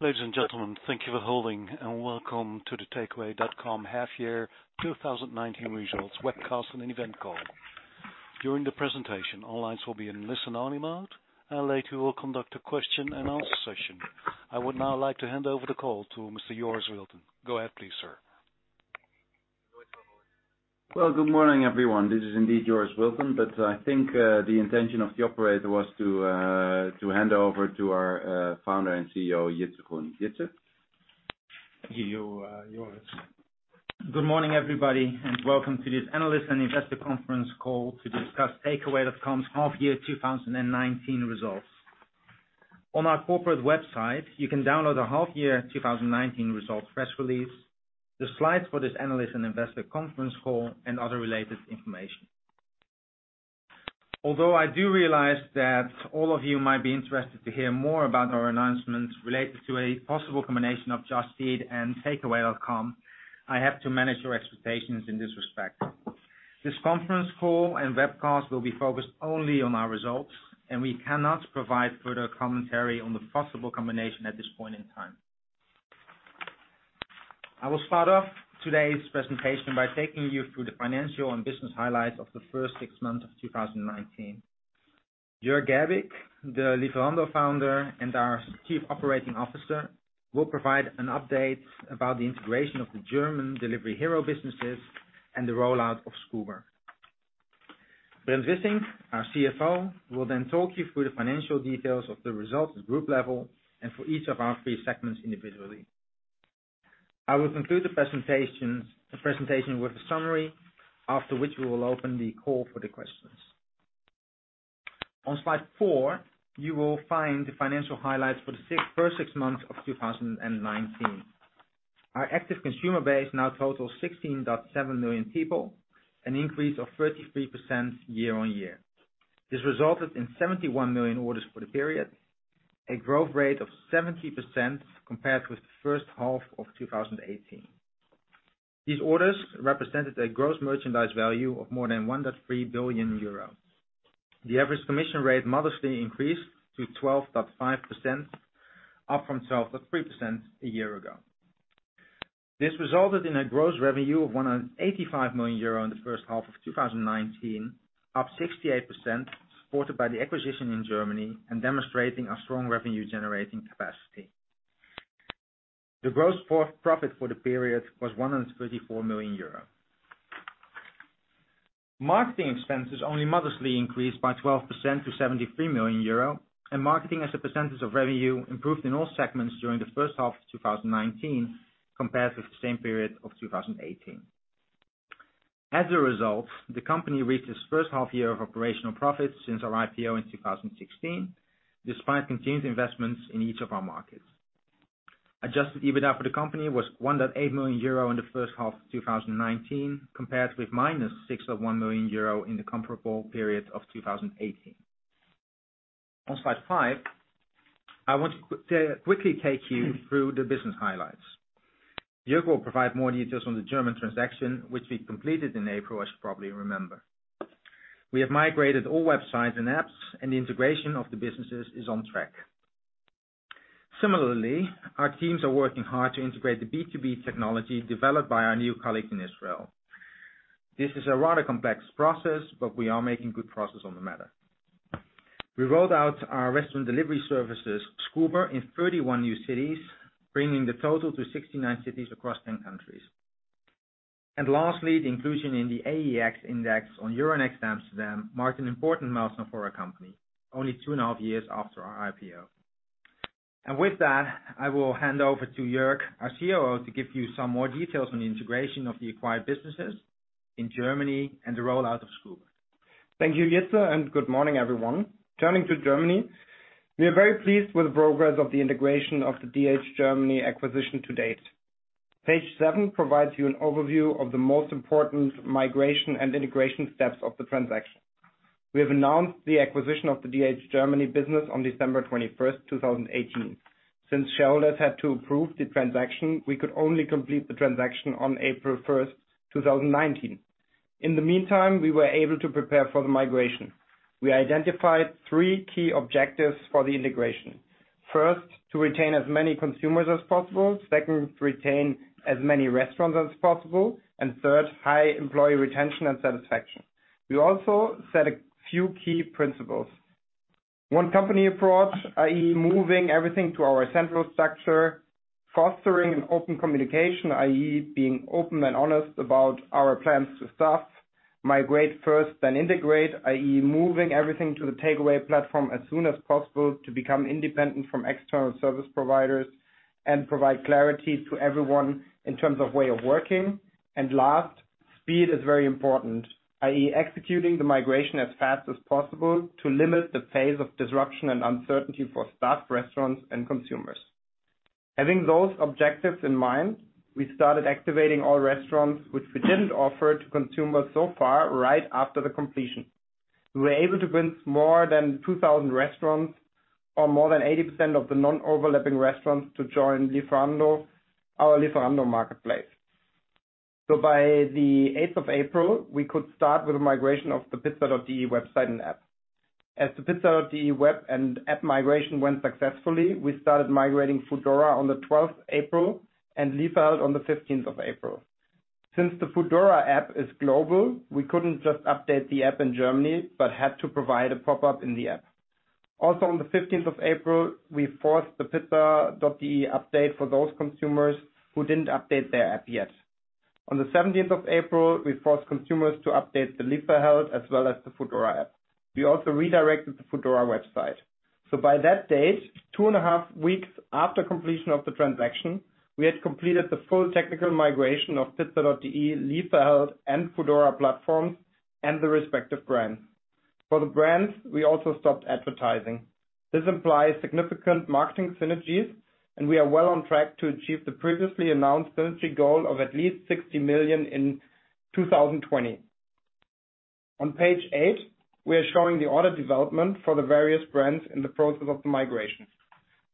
Ladies and gentlemen, thank you for holding, and welcome to the Takeaway.com half year 2019 results webcast and event call. During the presentation, all lines will be in listen-only mode, and later we'll conduct a question and answer session. I would now like to hand over the call to Mr. Joris Wilton. Go ahead please, sir. Well, good morning, everyone. This is indeed Joris Wilton, but I think the intention of the operator was to hand over to our founder and CEO, Jitse Groen. Jitse? Thank you, Joris. Good morning, everybody, and welcome to this analyst and investor conference call to discuss Takeaway.com's half year 2019 results. On our corporate website, you can download the half year 2019 results press release, the slides for this analyst and investor conference call, and other related information. Although I do realize that all of you might be interested to hear more about our announcements related to a possible combination of Just Eat and Takeaway.com, I have to manage your expectations in this respect. This conference call and webcast will be focused only on our results, and we cannot provide further commentary on the possible combination at this point in time. I will start off today's presentation by taking you through the financial and business highlights of the first six months of 2019. Jörg Gerbig, the Lieferando founder and our Chief Operating Officer, will provide an update about the integration of the German Delivery Hero businesses and the rollout of Scoober. Brent Wissink, our CFO, will then talk you through the financial details of the results at group level and for each of our three segments individually. I will conclude the presentation with a summary, after which we will open the call for the questions. On slide four, you will find the financial highlights for the first six months of 2019. Our active consumer base now totals 16.7 million people, an increase of 33% year-on-year. This resulted in 71 million orders for the period, a growth rate of 70% compared with the first half of 2018. These orders represented a gross merchandise value of more than 1.3 billion euro. The average commission rate modestly increased to 12.5%, up from 12.3% a year ago. This resulted in a gross revenue of 185 million euro in the first half of 2019, up 68%, supported by the acquisition in Germany and demonstrating our strong revenue generating capacity. The gross profit for the period was 134 million euros. Marketing expenses only modestly increased by 12% to 73 million euro, and marketing as a percentage of revenue improved in all segments during the first half of 2019 compared with the same period of 2018. As a result, the company reached its first half year of operational profits since our IPO in 2016, despite continued investments in each of our markets. Adjusted EBITDA for the company was 1.8 million euro in the first half of 2019, compared with minus 6.1 million euro in the comparable period of 2018. On slide five, I want to quickly take you through the business highlights. Jörg will provide more details on the German transaction, which we completed in April, as you probably remember. We have migrated all websites and apps, the integration of the businesses is on track. Similarly, our teams are working hard to integrate the B2B technology developed by our new colleague in Israel. This is a rather complex process, but we are making good progress on the matter. We rolled out our restaurant delivery services, Scoober, in 31 new cities, bringing the total to 69 cities across 10 countries. Lastly, the inclusion in the AEX index on Euronext Amsterdam marked an important milestone for our company, only two and a half years after our IPO. With that, I will hand over to Jörg, our COO, to give you some more details on the integration of the acquired businesses in Germany and the rollout of Scoober. Thank you, Jitse, and good morning, everyone. Turning to Germany, we are very pleased with the progress of the integration of the DH Germany acquisition to date. Page seven provides you an overview of the most important migration and integration steps of the transaction. We have announced the acquisition of the DH Germany business on December 21st, 2018. Since shareholders had to approve the transaction, we could only complete the transaction on April 1st, 2019. In the meantime, we were able to prepare for the migration. We identified three key objectives for the integration. First, to retain as many consumers as possible. Second, to retain as many restaurants as possible. Third, high employee retention and satisfaction. We also set a few key principles. One company approach, i.e., moving everything to our central structure. Fostering an open communication, i.e., being open and honest about our plans to staff. Migrate first, then integrate, i.e., moving everything to the Takeaway.com platform as soon as possible to become independent from external service providers and provide clarity to everyone in terms of way of working. Last, speed is very important, i.e., executing the migration as fast as possible to limit the phase of disruption and uncertainty for staff, restaurants, and consumers. Having those objectives in mind, we started activating all restaurants, which we didn't offer to consumers so far, right after the completion. We were able to bring more than 2,000 restaurants, or more than 80% of the non-overlapping restaurants, to join our Lieferando marketplace. By the 8th of April, we could start with the migration of the pizza.de website and app. As the pizza.de web and app migration went successfully, we started migrating Foodora on the 12th April and Lieferheld on the 15th of April. Since the Foodora app is global, we couldn't just update the app in Germany, but had to provide a pop-up in the app. On the 15th of April, we forced the pizza.de update for those consumers who didn't update their app yet. On the 17th of April, we forced consumers to update the Lieferheld as well as the Foodora app. We also redirected the Foodora website. By that date, two and a half weeks after completion of the transaction, we had completed the full technical migration of pizza.de, Lieferheld, and Foodora platforms and the respective brands. For the brands, we also stopped advertising. This implies significant marketing synergies, and we are well on track to achieve the previously announced synergy goal of at least 60 million in 2020. On page eight, we are showing the order development for the various brands in the process of the migration.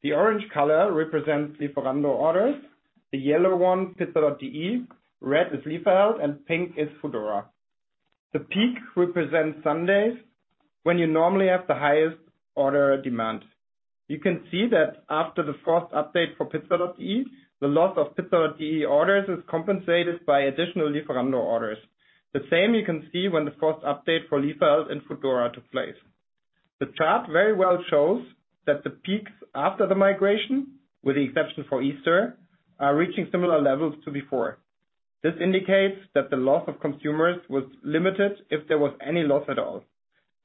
The orange color represents Lieferando orders, the yellow one pizza.de, red is Lieferheld, and pink is Foodora. The peak represents Sundays, when you normally have the highest order demand. You can see that after the first update for pizza.de, the loss of pizza.de orders is compensated by additional Lieferando orders. The same you can see when the first update for Lieferheld and Foodora took place. The chart very well shows that the peaks after the migration, with the exception for Easter, are reaching similar levels to before. This indicates that the loss of consumers was limited, if there was any loss at all.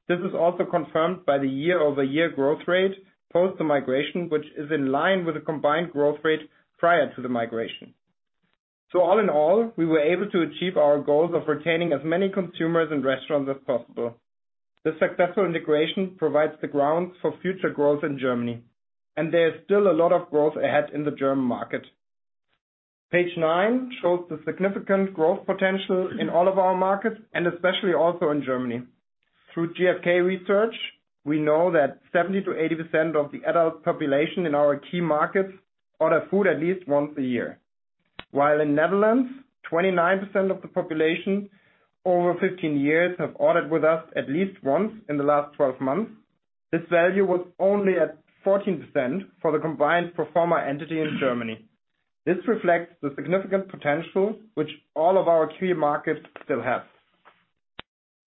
This is also confirmed by the year-over-year growth rate post the migration, which is in line with the combined growth rate prior to the migration. All in all, we were able to achieve our goals of retaining as many consumers and restaurants as possible. The successful integration provides the ground for future growth in Germany, and there is still a lot of growth ahead in the German market. Page nine shows the significant growth potential in all of our markets, and especially also in Germany. Through GfK research, we know that 70%-80% of the adult population in our key markets order food at least once a year. While in Netherlands, 29% of the population over 15 years have ordered with us at least once in the last 12 months, this value was only at 14% for the combined Performer entity in Germany. This reflects the significant potential which all of our key markets still have.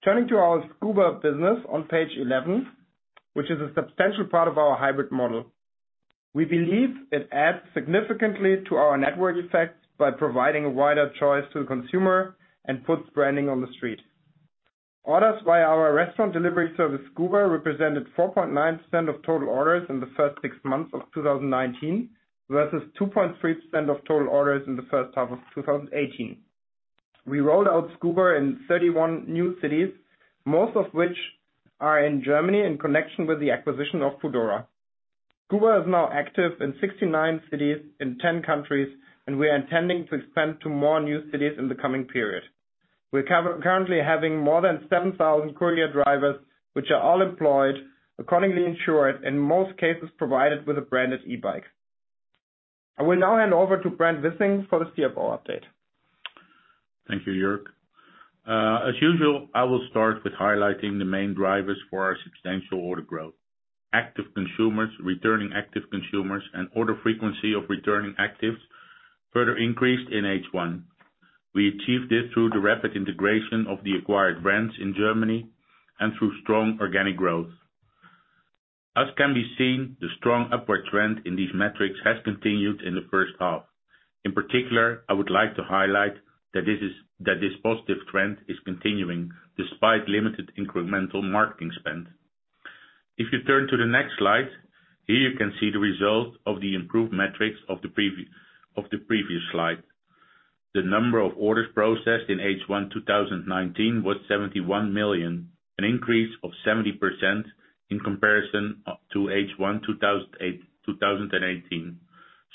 Turning to our Scoober business on page 11, which is a substantial part of our hybrid model. We believe it adds significantly to our network effects by providing a wider choice to the consumer and puts branding on the street. Orders by our restaurant delivery service, Scoober, represented 4.9% of total orders in the first six months of 2019, versus 2.3% of total orders in the first half of 2018. We rolled out Scoober in 31 new cities, most of which are in Germany in connection with the acquisition of Foodora. Scoober is now active in 69 cities in 10 countries, and we are intending to expand to more new cities in the coming period. We're currently having more than 7,000 courier drivers, which are all employed, accordingly insured, in most cases provided with a branded e-bike. I will now hand over to Brent Wissink for the CFO update. Thank you, Jörg. As usual, I will start with highlighting the main drivers for our substantial order growth. Active consumers, returning active consumers, and order frequency of returning actives further increased in H1. We achieved this through the rapid integration of the acquired brands in Germany and through strong organic growth. As can be seen, the strong upward trend in these metrics has continued in the first half. In particular, I would like to highlight that this positive trend is continuing despite limited incremental marketing spend. If you turn to the next slide, here you can see the result of the improved metrics of the previous slide. The number of orders processed in H1 2019 was 71 million, an increase of 70% in comparison to H1 2018.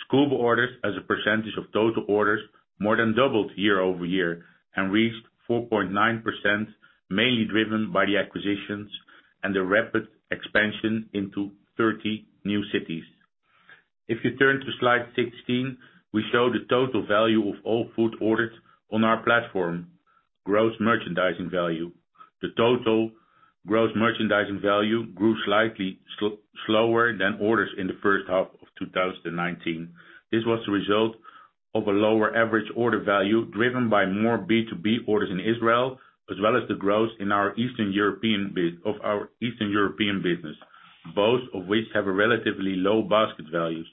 Scoober orders as a percentage of total orders more than doubled year-over-year and reached 4.9%, mainly driven by the acquisitions and the rapid expansion into 30 new cities. If you turn to slide 16, we show the total value of all food orders on our platform, gross merchandising value. The total gross merchandising value grew slightly slower than orders in the first half of 2019. This was the result of a lower average order value driven by more B2B orders in Israel, as well as the growth of our Eastern European business, both of which have a relatively low basket values.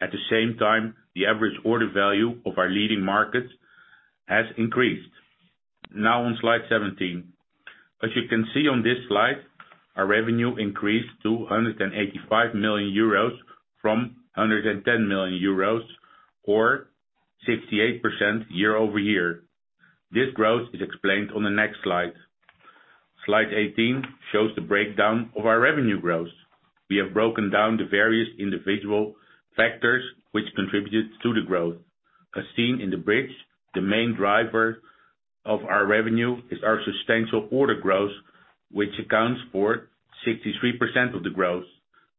At the same time, the average order value of our leading markets has increased. Now on slide 17. As you can see on this slide, our revenue increased to 185 million euros from 110 million euros, or 68% year-over-year. This growth is explained on the next slide. Slide 18 shows the breakdown of our revenue growth. We have broken down the various individual factors which contributed to the growth. As seen in the bridge, the main driver of our revenue is our substantial order growth, which accounts for 63% of the growth.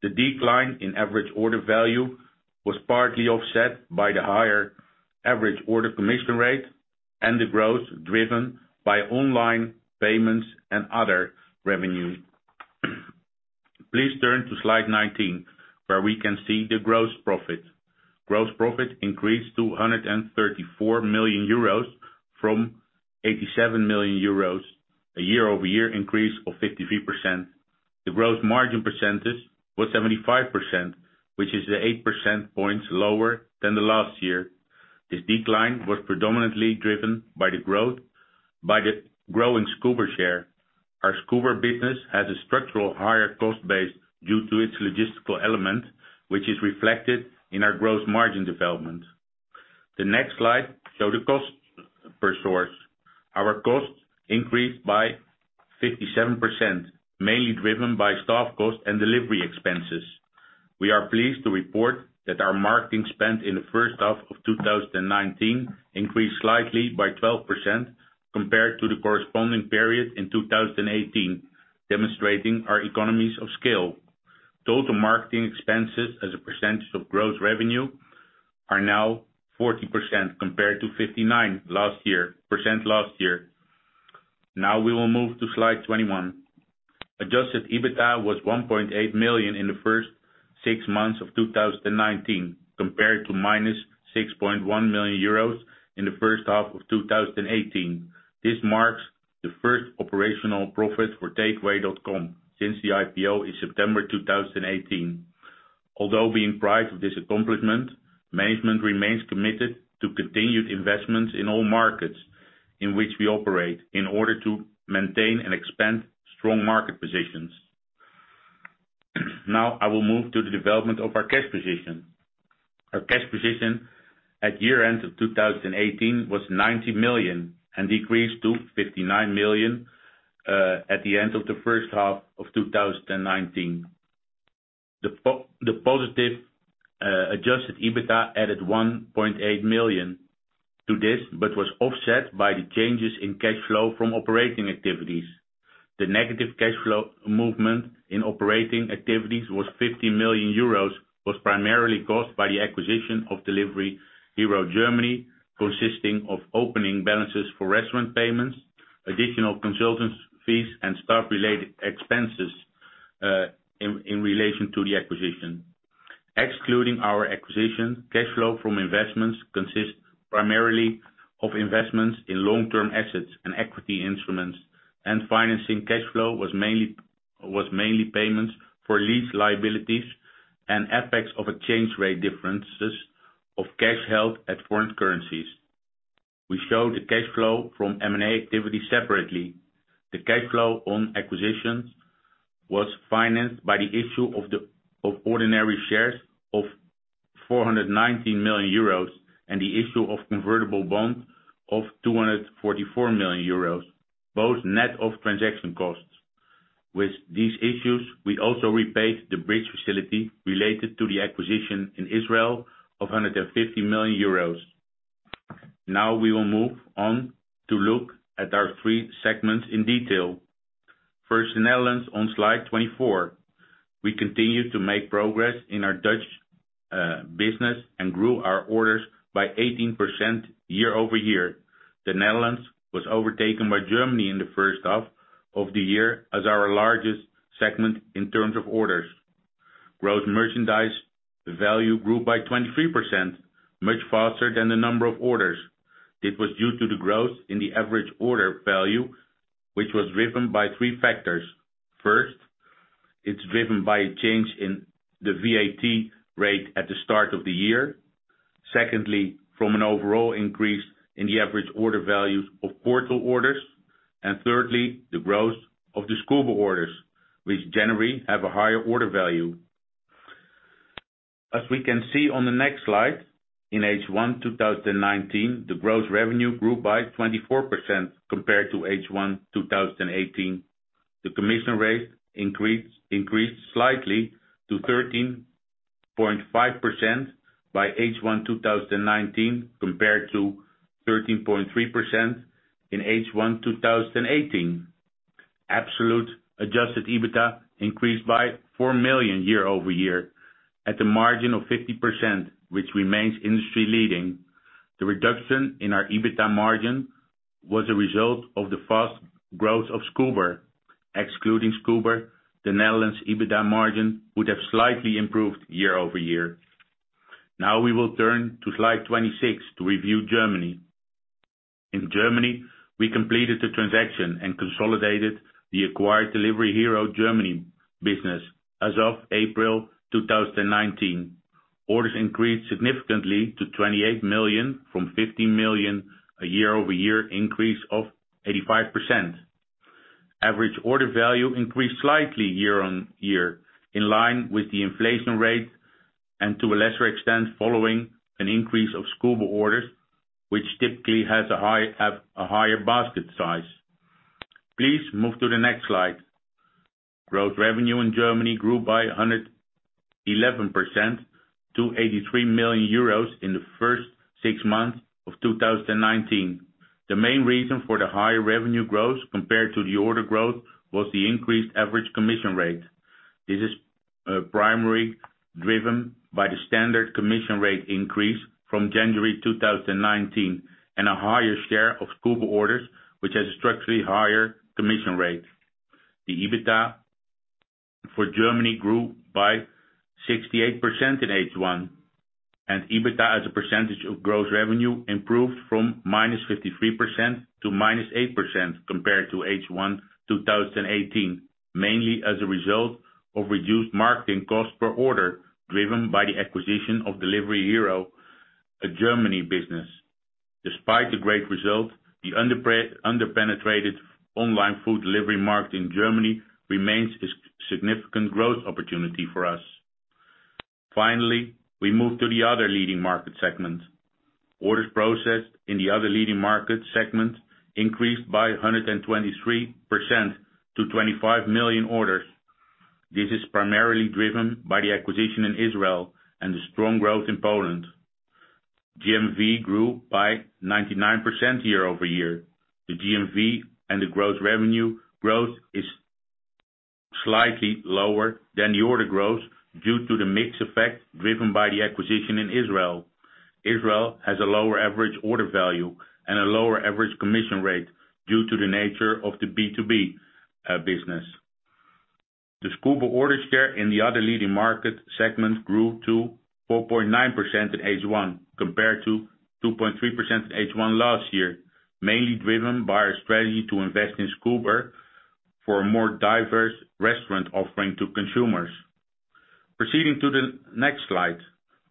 The decline in average order value was partly offset by the higher average order commission rate and the growth driven by online payments and other revenue. Please turn to Slide 19, where we can see the gross profit. Gross profit increased to 134 million euros from 87 million euros, a year-over-year increase of 53%. The gross margin percentage was 75%, which is 8% points lower than the last year. This decline was predominantly driven by the growing Scoober share. Our Scoober business has a structurally higher cost base due to its logistical element, which is reflected in our gross margin development. The next slide show the cost per source. Our costs increased by 57%, mainly driven by staff cost and delivery expenses. We are pleased to report that our marketing spend in the first half of 2019 increased slightly by 12% compared to the corresponding period in 2018, demonstrating our economies of scale. Total marketing expenses as a percentage of gross revenue are now 40% compared to 59% last year. Now we will move to Slide 21. Adjusted EBITDA was 1.8 million in the first six months of 2019, compared to minus 6.1 million euros in the first half of 2018. This marks the first operational profit for Takeaway.com since the IPO in September 2016. Although being proud of this accomplishment, management remains committed to continued investments in all markets in which we operate in order to maintain and expand strong market positions. I will move to the development of our cash position. Our cash position at year-end of 2018 was 90 million and decreased to 59 million at the end of the first half of 2019. The positive adjusted EBITDA added 1.8 million to this but was offset by the changes in cash flow from operating activities. The negative cash flow movement in operating activities was 50 million euros, was primarily caused by the acquisition of Delivery Hero Germany, consisting of opening balances for restaurant payments, additional consultants' fees, and staff-related expenses in relation to the acquisition. Excluding our acquisition, cash flow from investments consists primarily of investments in long-term assets and equity instruments, and financing cash flow was mainly payments for lease liabilities and effects of exchange rate differences of cash held at foreign currencies. We show the cash flow from M&A activity separately. The cash flow on acquisitions was financed by the issue of ordinary shares of 419 million euros and the issue of convertible bonds of 244 million euros, both net of transaction costs. With these issues, we also repaid the bridge facility related to the acquisition in Israel of 150 million euros. We will move on to look at our three segments in detail. Netherlands on Slide 24. We continued to make progress in our Dutch business and grew our orders by 18% year-over-year. The Netherlands was overtaken by Germany in the first half of the year as our largest segment in terms of orders. Growth merchandise value grew by 23%, much faster than the number of orders. It was due to the growth in the average order value, which was driven by three factors. First, it's driven by a change in the VAT rate at the start of the year. Secondly, from an overall increase in the average order values of portal orders. Thirdly, the growth of the Scoober orders, which generally have a higher order value. As we can see on the next slide, in H1 2019, the gross revenue grew by 24% compared to H1 2018. The commission rate increased slightly to 13.5% by H1 2019, compared to 13.3% in H1 2018. Absolute adjusted EBITDA increased by 4 million year-over-year at the margin of 50%, which remains industry leading. The reduction in our EBITDA margin was a result of the fast growth of Scoober. Excluding Scoober, the Netherlands EBITDA margin would have slightly improved year-over-year. Now we will turn to Slide 26 to review Germany. In Germany, we completed the transaction and consolidated the acquired Delivery Hero Germany business as of April 2019. Orders increased significantly to 28 million from 15 million, a year-over-year increase of 85%. Average order value increased slightly year-on-year in line with the inflation rate and to a lesser extent, following an increase of Scoober orders, which typically have a higher basket size. Please move to the next slide. Gross revenue in Germany grew by 111% to 83 million euros in the first six months of 2019. The main reason for the high revenue growth compared to the order growth was the increased average commission rate. This is primarily driven by the standard commission rate increase from January 2019 and a higher share of Scoober orders, which has a structurally higher commission rate. The EBITDA for Germany grew by 68% in H1, and EBITDA as a percentage of gross revenue improved from -53% to -8% compared to H1 2018, mainly as a result of reduced marketing costs per order, driven by the acquisition of Delivery Hero, a Germany business. Despite the great result, the under-penetrated online food delivery market in Germany remains a significant growth opportunity for us. We move to the other leading market segment. Orders processed in the other leading market segment increased by 123% to 25 million orders. This is primarily driven by the acquisition in Israel and the strong growth in Poland. GMV grew by 99% year-over-year. The GMV and the gross revenue growth is slightly lower than the order growth due to the mix effect driven by the acquisition in Israel. Israel has a lower average order value and a lower average commission rate due to the nature of the B2B business. The Scoober order share in the other leading market segments grew to 4.9% in H1 compared to 2.3% in H1 last year, mainly driven by our strategy to invest in Scoober for a more diverse restaurant offering to consumers. Proceeding to the next slide.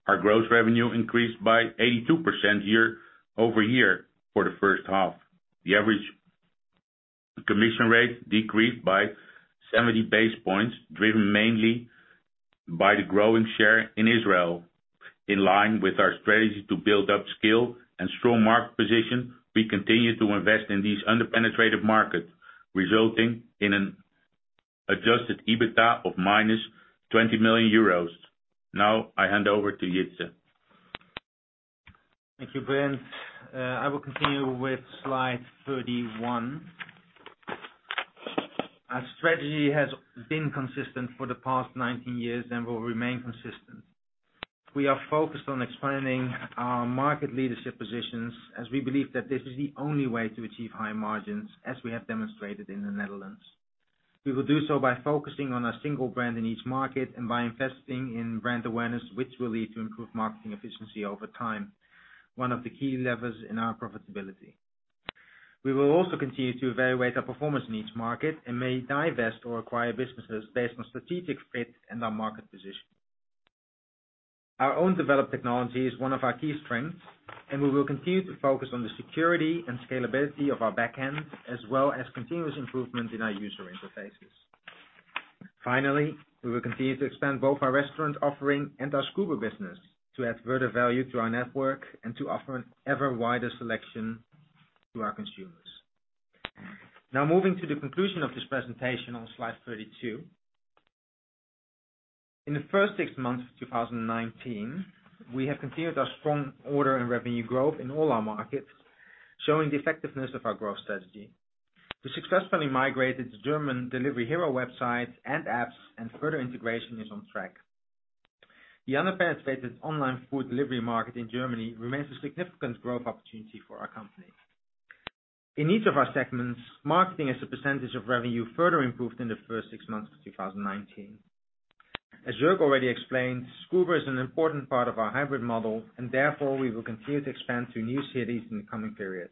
Our growth revenue increased by 82% year-over-year for the first half. The average commission rate decreased by 70 basis points, driven mainly by the growing share in Israel. In line with our strategy to build up scale and strong market position, we continue to invest in these under-penetrated markets, resulting in an adjusted EBITDA of minus 20 million euros. I hand over to Jitse. Thank you, Brent. I will continue with slide 31. Our strategy has been consistent for the past 19 years and will remain consistent. We are focused on expanding our market leadership positions as we believe that this is the only way to achieve high margins, as we have demonstrated in the Netherlands. We will do so by focusing on a single brand in each market and by investing in brand awareness, which will lead to improved marketing efficiency over time, one of the key levers in our profitability. We will continue to evaluate our performance in each market and may divest or acquire businesses based on strategic fit and our market position. Our own developed technology is one of our key strengths, and we will continue to focus on the security and scalability of our back end, as well as continuous improvement in our user interfaces. Finally, we will continue to expand both our restaurant offering and our Scoober business to add further value to our network and to offer an ever wider selection to our consumers. Moving to the conclusion of this presentation on slide 32. In the first six months of 2019, we have continued our strong order and revenue growth in all our markets, showing the effectiveness of our growth strategy. We successfully migrated the German Delivery Hero websites and apps. Further integration is on track. The under-penetrated online food delivery market in Germany remains a significant growth opportunity for our company. In each of our segments, marketing as a percentage of revenue further improved in the first six months of 2019. As Jörg already explained, Scoober is an important part of our hybrid model. Therefore, we will continue to expand to new cities in the coming period.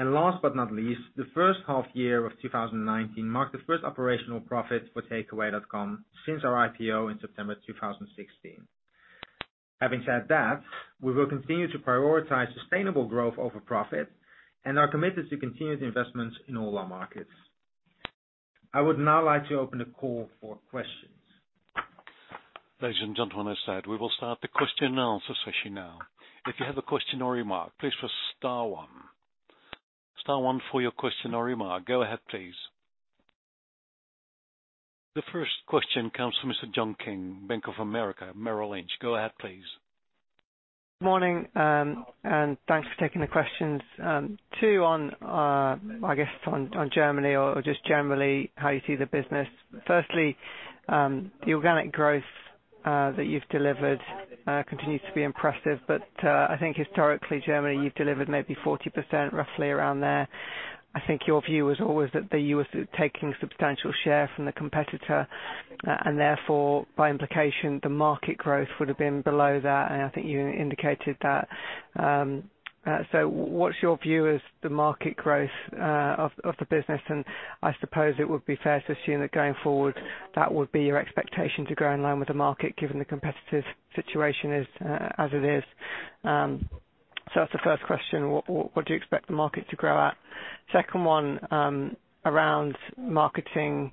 Last but not least, the first half year of 2019 marked the first operational profit for Takeaway.com since our IPO in September 2016. Having said that, we will continue to prioritize sustainable growth over profit and are committed to continued investments in all our markets. I would now like to open the call for questions. Ladies and gentlemen, as said, we will start the question and answer session now. If you have a question or remark, please press star one. Star one for your question or remark. Go ahead, please. The first question comes from Mr. John King, Bank of America Merrill Lynch. Go ahead, please. Morning, thanks for taking the questions. Two on, I guess, on Germany or just generally how you see the business. Firstly, the organic growth that you've delivered continues to be impressive. I think historically, Germany, you've delivered maybe 40%, roughly around there. I think your view was always that you were taking substantial share from the competitor, and therefore, by implication, the market growth would have been below that, and I think you indicated that. What's your view as the market growth of the business? I suppose it would be fair to assume that going forward, that would be your expectation to grow in line with the market, given the competitive situation as it is. That's the first question. What do you expect the market to grow at? Second one, around marketing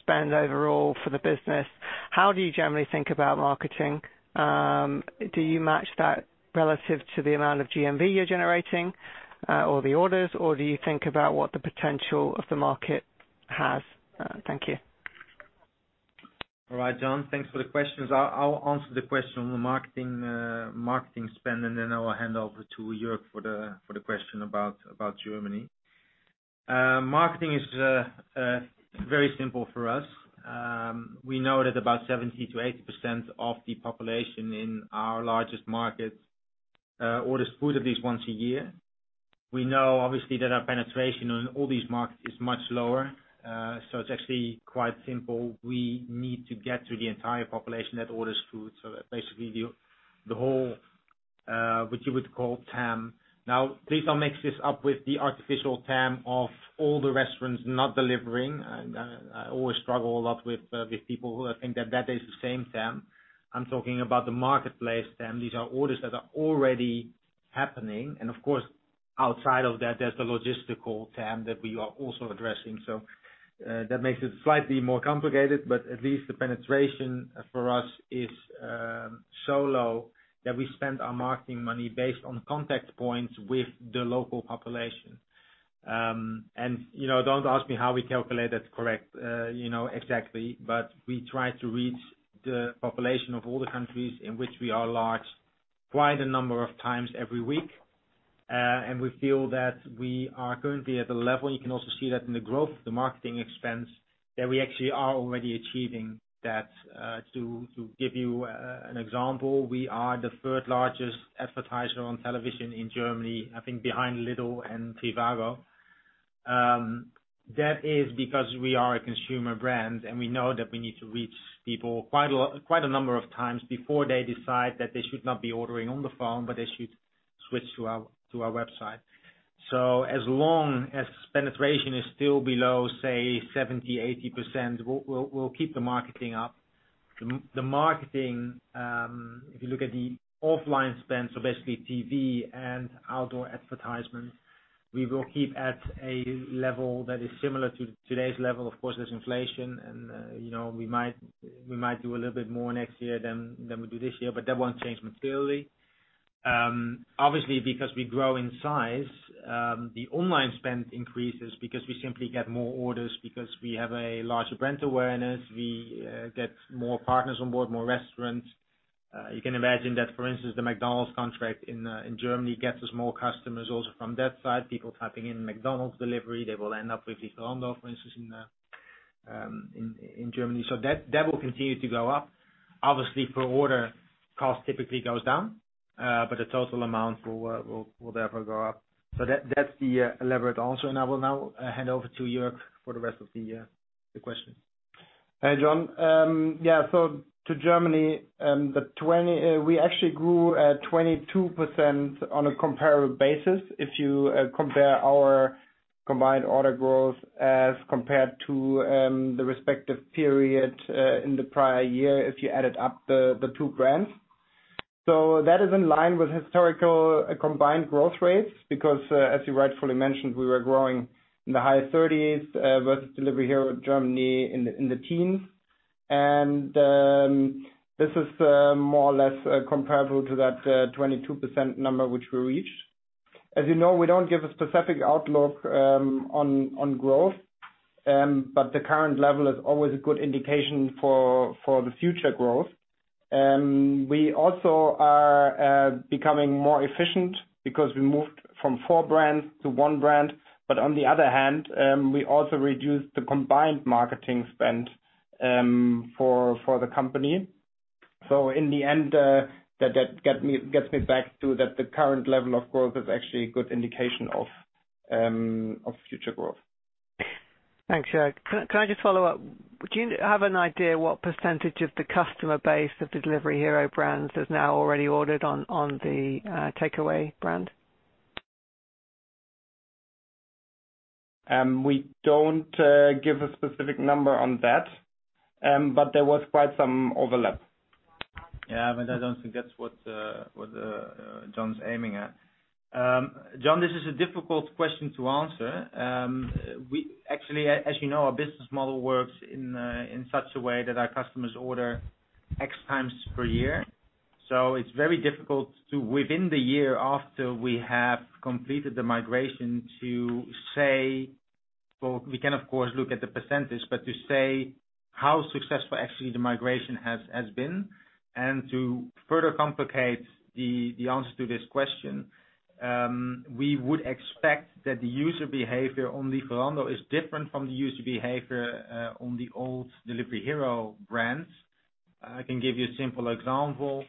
spend overall for the business. How do you generally think about marketing? Do you match that relative to the amount of GMV you're generating, or the orders, or do you think about what the potential of the market has? Thank you. All right, John. Thanks for the questions. I'll answer the question on the marketing spend, and then I will hand over to Jörg for the question about Germany. Marketing is very simple for us. We know that about 70% to 80% of the population in our largest markets orders food at least once a year. We know, obviously, that our penetration on all these markets is much lower. It's actually quite simple. We need to get to the entire population that orders food, so basically the whole, what you would call TAM. Now, please don't mix this up with the artificial TAM of all the restaurants not delivering. I always struggle a lot with people who think that is the same TAM. I'm talking about the marketplace TAM. These are orders that are already happening. Of course, outside of that, there's the logistical TAM that we are also addressing. That makes it slightly more complicated, but at least the penetration for us is so low that we spend our marketing money based on contact points with the local population. Don't ask me how we calculate it correct exactly, but we try to reach the population of all the countries in which we are large quite a number of times every week. We feel that we are currently at a level, you can also see that in the growth of the marketing expense, that we actually are already achieving that. To give you an example, we are the third largest advertiser on television in Germany, I think behind Lidl and Trivago. That is because we are a consumer brand, and we know that we need to reach people quite a number of times before they decide that they should not be ordering on the phone, but they should switch to our website. As long as penetration is still below, say, 70%, 80%, we will keep the marketing up. The marketing, if you look at the offline spend, so basically TV and outdoor advertisements, we will keep at a level that is similar to today's level. Of course, there's inflation and we might do a little bit more next year than we do this year, but that won't change materially. Obviously, because we grow in size, the online spend increases because we simply get more orders because we have a larger brand awareness. We get more partners on board, more restaurants. You can imagine that, for instance, the McDonald's contract in Germany gets us more customers also from that side. People typing in McDonald's delivery, they will end up with Lieferando, for instance, in Germany. That will continue to go up. Obviously, per order cost typically goes down, but the total amount will therefore go up. That's the elaborate answer, and I will now hand over to Jörg for the rest of the questions. Hey, John. Yeah. To Germany, we actually grew at 22% on a comparable basis if you compare our combined order growth as compared to the respective period in the prior year, if you added up the two brands. This is more or less comparable to that 22% number which we reached. As you know, we don't give a specific outlook on growth, the current level is always a good indication for the future growth. We also are becoming more efficient because we moved from four brands to one brand. On the other hand, we also reduced the combined marketing spend for the company. In the end, that gets me back to that the current level of growth is actually a good indication of future growth. Thanks, Jörg. Can I just follow up? Do you have an idea what percentage of the customer base of Delivery Hero brands has now already ordered on the Takeaway brand? We don't give a specific number on that, but there was quite some overlap. I don't think that's what John's aiming at. John, this is a difficult question to answer. Actually, as you know, our business model works in such a way that our customers order X times per year. It's very difficult to, within the year after we have completed the migration, Well, we can of course, look at the percentage, but to say how successful actually the migration has been, and to further complicate the answer to this question, we would expect that the user behavior on Lieferando is different from the user behavior on the old Delivery Hero brands. I can give you a simple example.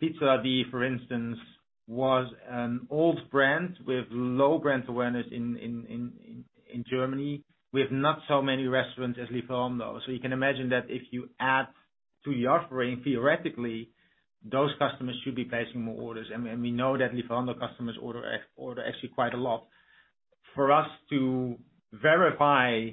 pizza.de, for instance, was an old brand with low brand awareness in Germany, with not so many restaurants as Lieferando. You can imagine that if you add to your offering, theoretically, those customers should be placing more orders. We know that Lieferando customers order actually quite a lot. For us to verify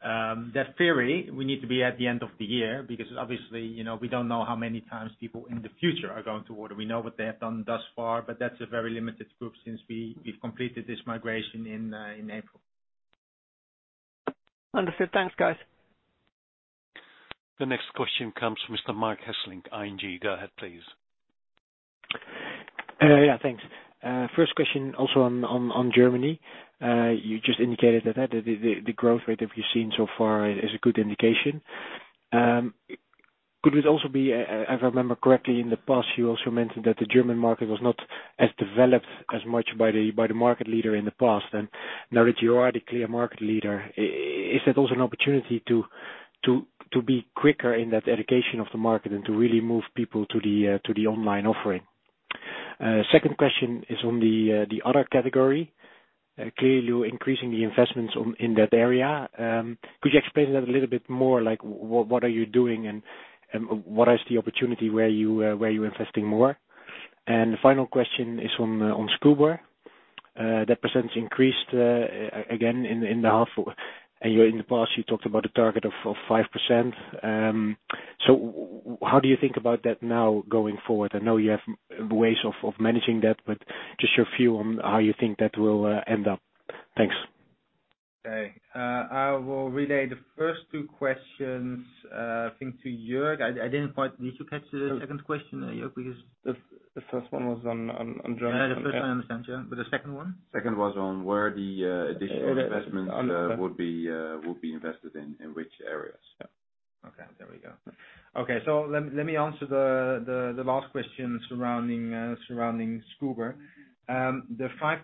that theory, we need to be at the end of the year because obviously, we don't know how many times people in the future are going to order. We know what they have done thus far, that's a very limited group since we completed this migration in April. Understood. Thanks, guys. The next question comes from Mr. Marc Hesselink, ING. Go ahead, please. Yeah, thanks. First question also on Germany. You just indicated that the growth rate that we've seen so far is a good indication. Could it also be, if I remember correctly, in the past you also mentioned that the German market was not as developed as much by the market leader in the past. Now that you are the clear market leader, is that also an opportunity to be quicker in that education of the market and to really move people to the online offering? Second question is on the other category. Clearly, you're increasing the investments in that area. Could you explain that a little bit more, like what are you doing and what is the opportunity where you're investing more? The final question is on Scoober. That percentage increased, again, in the half. In the past, you talked about a target of 5%. How do you think about that now going forward? I know you have ways of managing that, but just your view on how you think that will end up. Thanks. Okay. I will relay the first two questions, I think, to Jörg. Did you catch the second question, Jörg? The first one was on Germany. Yeah, the first one I understand, yeah. The second one? Second was on where the additional investments would be invested in which areas. Okay, there we go. Let me answer the last question surrounding Scoober. The 5%,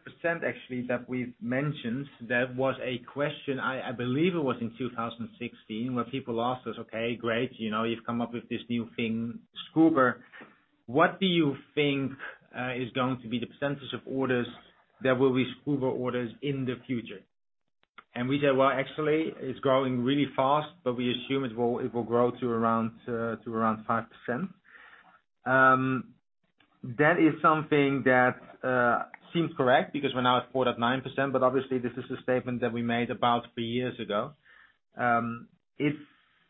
actually, that we've mentioned, that was a question, I believe it was in 2016, where people asked us, "Okay, great, you've come up with this new thing, Scoober." What do you think is going to be the percentage of orders that will be Scoober orders in the future? We said, "Well, actually, it's growing really fast, but we assume it will grow to around 5%." That is something that seems correct, because we're now at 4.9%, obviously, this is a statement that we made about three years ago.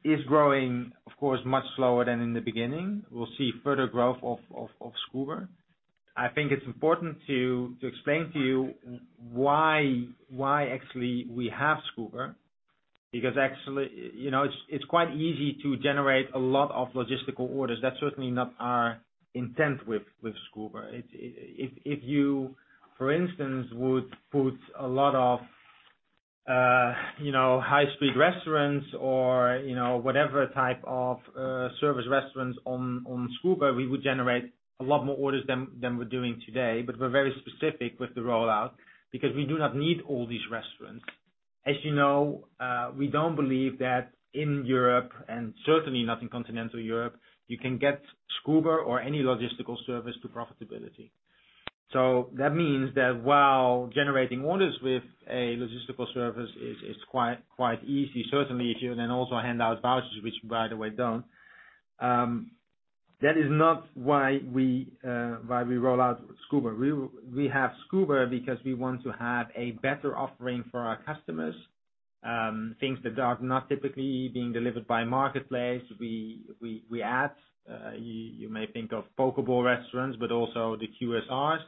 It's growing, of course, much slower than in the beginning. We'll see further growth of Scoober. I think it's important to explain to you why actually we have Scoober. Actually, it's quite easy to generate a lot of logistical orders. That's certainly not our intent with Scoober. If you, for instance, would put a lot of high-speed restaurants or whatever type of service restaurants on Scoober, we would generate a lot more orders than we're doing today. We're very specific with the rollout because we do not need all these restaurants. As you know, we don't believe that in Europe, and certainly not in continental Europe, you can get Scoober or any logistical service to profitability. That means that while generating orders with a logistical service is quite easy, certainly if you then also hand out vouchers, which by the way, don't, that is not why we roll out Scoober. We have Scoober because we want to have a better offering for our customers. Things that are not typically being delivered by marketplace, we add. You may think of poke bowl restaurants, but also the QSRs.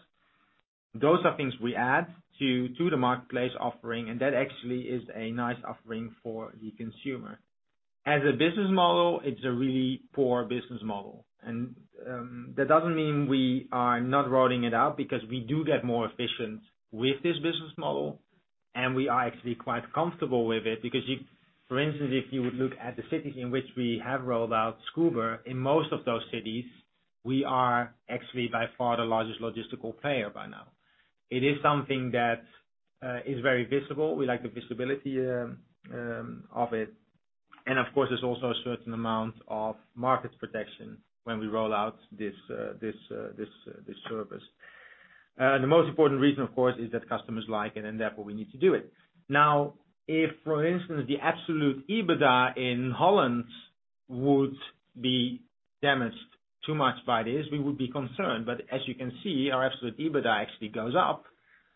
Those are things we add to the marketplace offering, and that actually is a nice offering for the consumer. As a business model, it's a really poor business model. That doesn't mean we are not rolling it out, because we do get more efficient with this business model, and we are actually quite comfortable with it. For instance, if you would look at the cities in which we have rolled out Scoober, in most of those cities, we are actually by far the largest logistical player by now. It is something that is very visible. We like the visibility of it. Of course, there's also a certain amount of market protection when we roll out this service. The most important reason, of course, is that customers like it, and therefore, we need to do it. If, for instance, the absolute EBITDA in Holland would be damaged too much by this, we would be concerned. As you can see, our absolute EBITDA actually goes up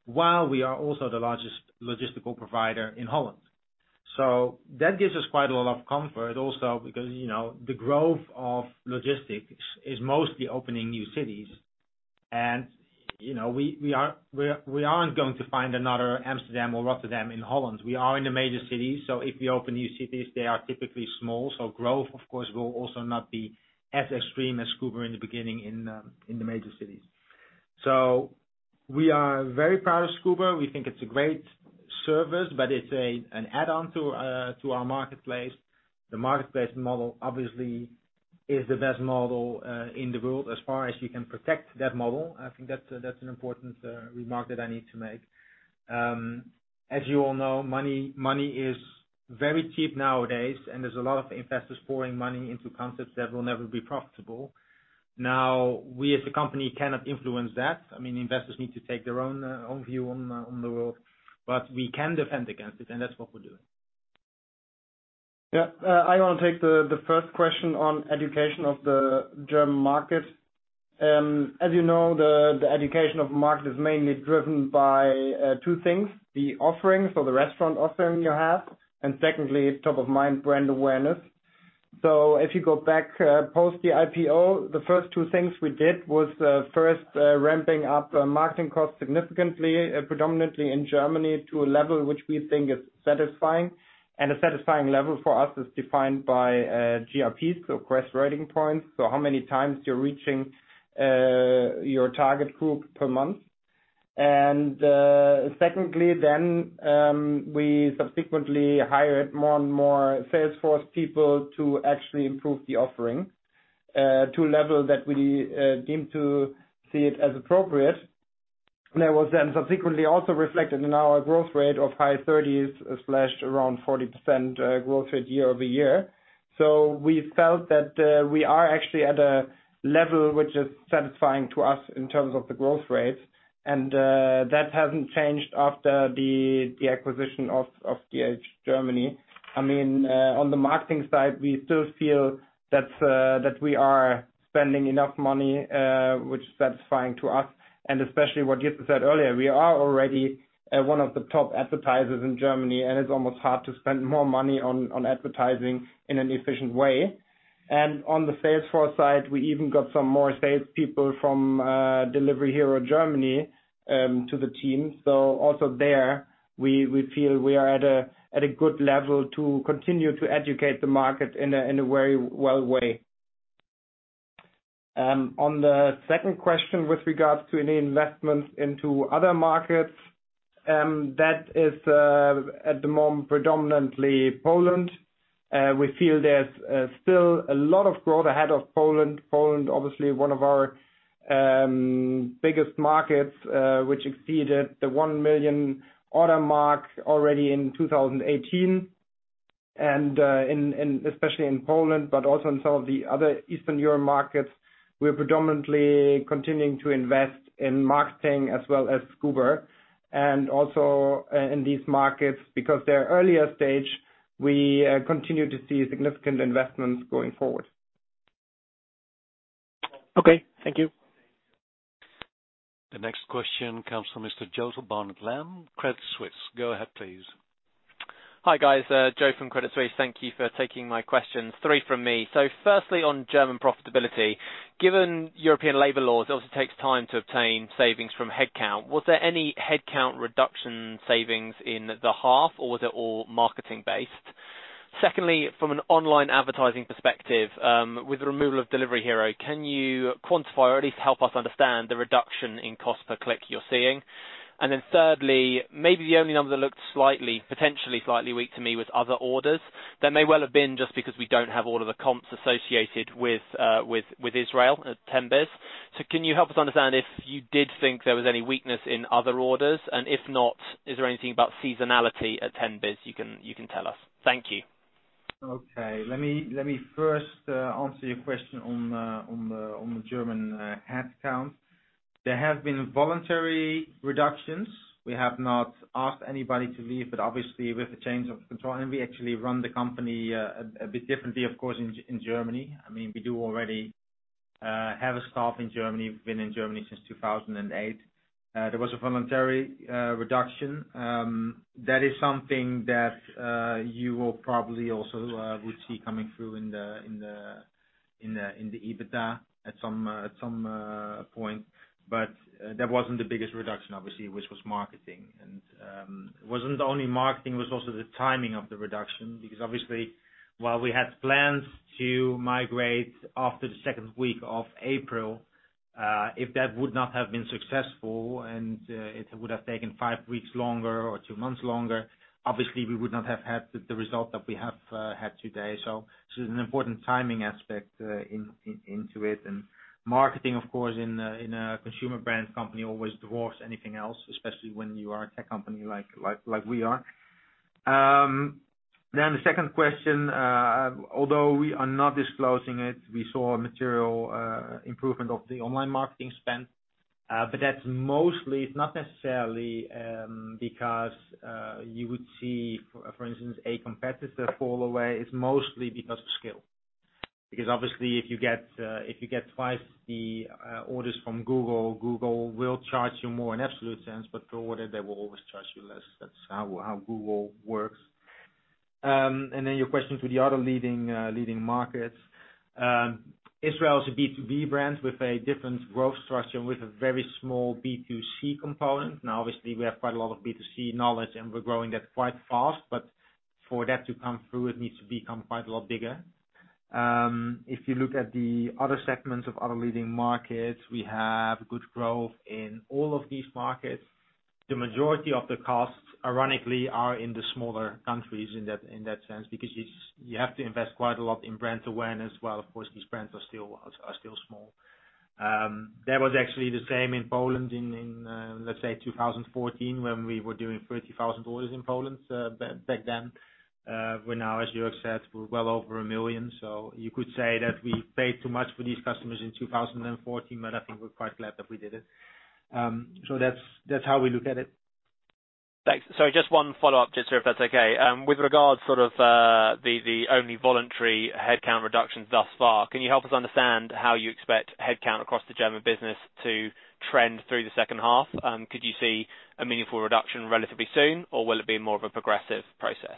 while we are also the largest logistical provider in Holland. That gives us quite a lot of comfort also because the growth of logistics is mostly opening new cities. We aren't going to find another Amsterdam or Rotterdam in Holland. We are in the major cities, if we open new cities, they are typically small. Growth, of course, will also not be as extreme as Scoober in the beginning in the major cities. We are very proud of Scoober. We think it's a great service, it's an add-on to our marketplace. The marketplace model obviously is the best model in the world as far as you can protect that model. I think that's an important remark that I need to make. As you all know, money is very cheap nowadays, and there's a lot of investors pouring money into concepts that will never be profitable. We as a company cannot influence that. Investors need to take their own view on the world. We can defend against it, and that's what we're doing. Yeah. I want to take the first question on education of the German market. As you know, the education of market is mainly driven by two things, the offerings or the restaurant offering you have, and secondly, top of mind brand awareness. If you go back post the IPO, the first two things we did was, first, ramping up marketing costs significantly, predominantly in Germany, to a level which we think is satisfying. A satisfying level for us is defined by GRPs, so Gross Rating Points. How many times you're reaching your target group per month. Secondly, we subsequently hired more and more salesforce people to actually improve the offering to a level that we deemed to see it as appropriate. That was then subsequently also reflected in our growth rate of high thirties/around 40% growth rate year-over-year. We felt that we are actually at a level which is satisfying to us in terms of the growth rates, and that hasn't changed after the acquisition of Delivery Hero Germany. On the marketing side, we still feel that we are spending enough money, which is satisfying to us and especially what Jörg said earlier, we are already one of the top advertisers in Germany, and it's almost hard to spend more money on advertising in an efficient way. On the salesforce side, we even got some more salespeople from Delivery Hero Germany to the team. Also there, we feel we are at a good level to continue to educate the market in a very well way. On the second question with regards to any investments into other markets, that is, at the moment, predominantly Poland. We feel there's still a lot of growth ahead of Poland. Poland, obviously one of our biggest markets, which exceeded the 1 million order mark already in 2018. Especially in Poland, but also in some of the other Eastern Europe markets, we're predominantly continuing to invest in marketing as well as Scoober. Also, in these markets, because they're earlier stage, we continue to see significant investments going forward. Okay, thank you. The next question comes from Mr. Joseph Barnet-Lamb, Credit Suisse. Go ahead, please. Hi, guys. Joe from Credit Suisse. Thank you for taking my questions. Three from me. Firstly, on German profitability. Given European labor laws, it also takes time to obtain savings from headcount. Was there any headcount reduction savings in the half or was it all marketing based? Secondly, from an online advertising perspective, with the removal of Delivery Hero, can you quantify or at least help us understand the reduction in cost per click you're seeing? Thirdly, maybe the only number that looked potentially slightly weak to me was other orders. That may well have been just because we don't have all of the comps associated with Israel at 10bis. Can you help us understand if you did think there was any weakness in other orders? If not, is there anything about seasonality at 10bis you can tell us? Thank you. Okay. Let me first answer your question on the German headcount. There have been voluntary reductions. We have not asked anybody to leave. Obviously with the change of control, and we actually run the company a bit differently, of course, in Germany. We do already have a staff in Germany. We've been in Germany since 2008. There was a voluntary reduction. That is something that you will probably also would see coming through in the EBITDA at some point. That wasn't the biggest reduction, obviously, which was marketing. It wasn't only marketing, it was also the timing of the reduction, because obviously, while we had plans to migrate after the second week of April, if that would not have been successful and it would have taken five weeks longer or two months longer, obviously we would not have had the result that we have had today. This is an important timing aspect into it. Marketing, of course, in a consumer brand company always dwarfs anything else, especially when you are a tech company like we are. The second question, although we are not disclosing it, we saw a material improvement of the online marketing spend. That's mostly, it's not necessarily because you would see, for instance, a competitor fall away. It's mostly because of scale. Obviously if you get twice the orders from Google will charge you more in absolute sense, but per order, they will always charge you less. That's how Google works. Your question to the other leading markets. Israel is a B2B brand with a different growth structure, with a very small B2C component. Obviously, we have quite a lot of B2C knowledge, and we're growing that quite fast, but for that to come through, it needs to become quite a lot bigger. If you look at the other segments of other leading markets, we have good growth in all of these markets. The majority of the costs, ironically, are in the smaller countries in that sense, because you have to invest quite a lot in brand awareness while, of course, these brands are still small. That was actually the same in Poland in, let's say, 2014, when we were doing 30,000 orders in Poland back then, where now, as Jörg said, we're well over 1 million. You could say that we paid too much for these customers in 2014, but I think we're quite glad that we did it. That's how we look at it. Thanks. Just one follow-up, just if that's okay. With regards the only voluntary headcount reductions thus far, can you help us understand how you expect headcount across the German business to trend through the second half? Could you see a meaningful reduction relatively soon, or will it be more of a progressive process?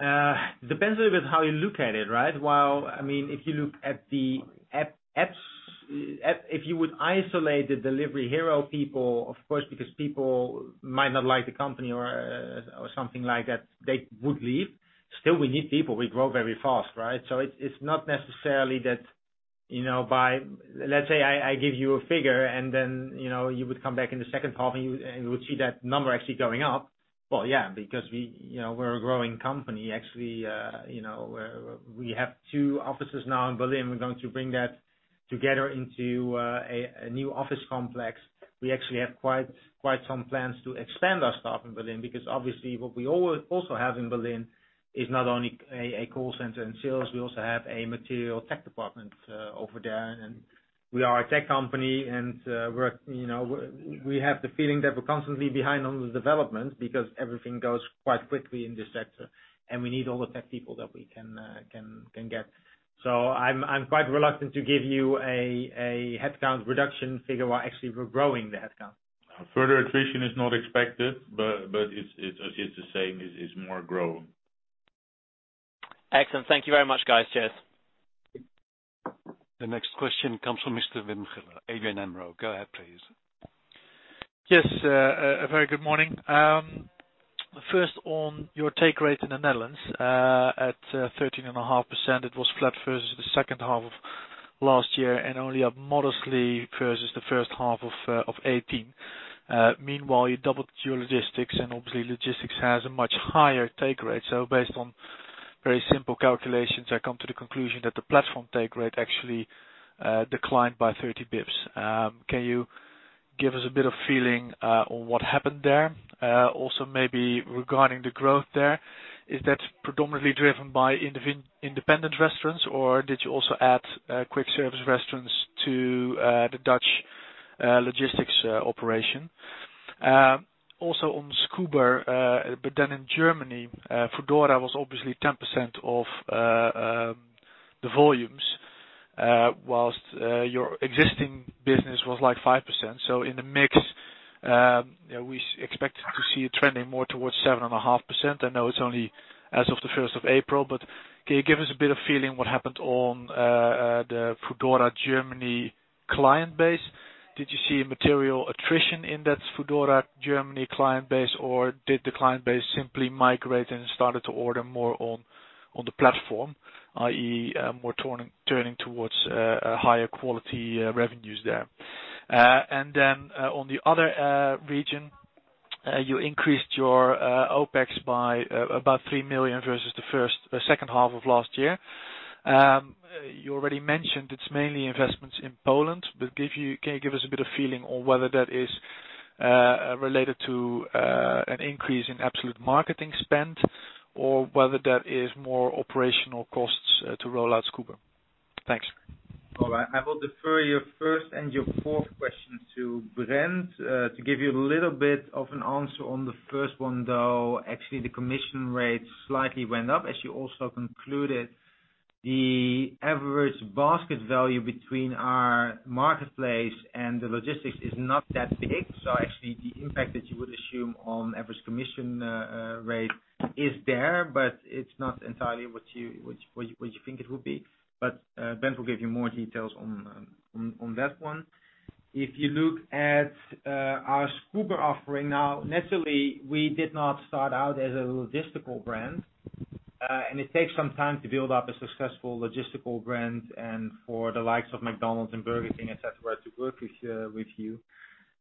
It depends a bit how you look at it, right? If you would isolate the Delivery Hero people, of course, because people might not like the company or something like that, they would leave. We need people. We grow very fast, right? It's not necessarily that by, let's say, I give you a figure, and then you would come back in the second half and you would see that number actually going up. Yeah, because we're a growing company. Actually, we have two offices now in Berlin. We're going to bring that together into a new office complex. We actually have quite some plans to expand our staff in Berlin because obviously what we also have in Berlin is not only a call center and sales, we also have a material tech department over there. We are a tech company and we have the feeling that we're constantly behind on the development because everything goes quite quickly in this sector, and we need all the tech people that we can get. I'm quite reluctant to give you a headcount reduction figure while actually we're growing the headcount. Further attrition is not expected, but as he is saying, is more growing. Excellent. Thank you very much, guys. Cheers. The next question comes from Mr. Wim Gille, ABN AMRO. Go ahead, please. Yes, a very good morning. On your take rate in the Netherlands at 13.5%. It was flat versus the second half of last year and only up modestly versus the first half of 2018. You doubled your logistics and obviously logistics has a much higher take rate. Based on very simple calculations, I come to the conclusion that the platform take rate actually declined by 30 basis points. Can you give us a bit of feeling on what happened there? Maybe regarding the growth there, is that predominantly driven by independent restaurants or did you also add Quick Service Restaurants to the Dutch logistics operation? On Scoober, in Germany, Foodora was obviously 10% of the volumes, whilst your existing business was like 5%. In the mix, we expect to see it trending more towards 7.5%. I know it is only as of the 1st of April, but can you give us a bit of feeling what happened on the Foodora Germany client base? Did you see a material attrition in that Foodora Germany client base or did the client base simply migrate and started to order more on the platform, i.e., more turning towards higher quality revenues there? On the other region, you increased your OPEX by about 3 million versus the second half of last year. You already mentioned it's mainly investments in Poland. Can you give us a bit of feeling on whether that is related to an increase in absolute marketing spend or whether that is more operational costs to roll out Scoober? Thanks. All right. I will defer your first and your fourth question to Brent. To give you a little bit of an answer on the first one, though, actually the commission rate slightly went up. As you also concluded, the average basket value between our marketplace and the logistics is not that big. Actually, the impact that you would assume on average commission rate is there, it's not entirely what you think it would be. Brent will give you more details on that one. If you look at our Scoober offering now, naturally, we did not start out as a logistical brand. It takes some time to build up a successful logistical brand and for the likes of McDonald's and Burger King, et cetera, to work with you.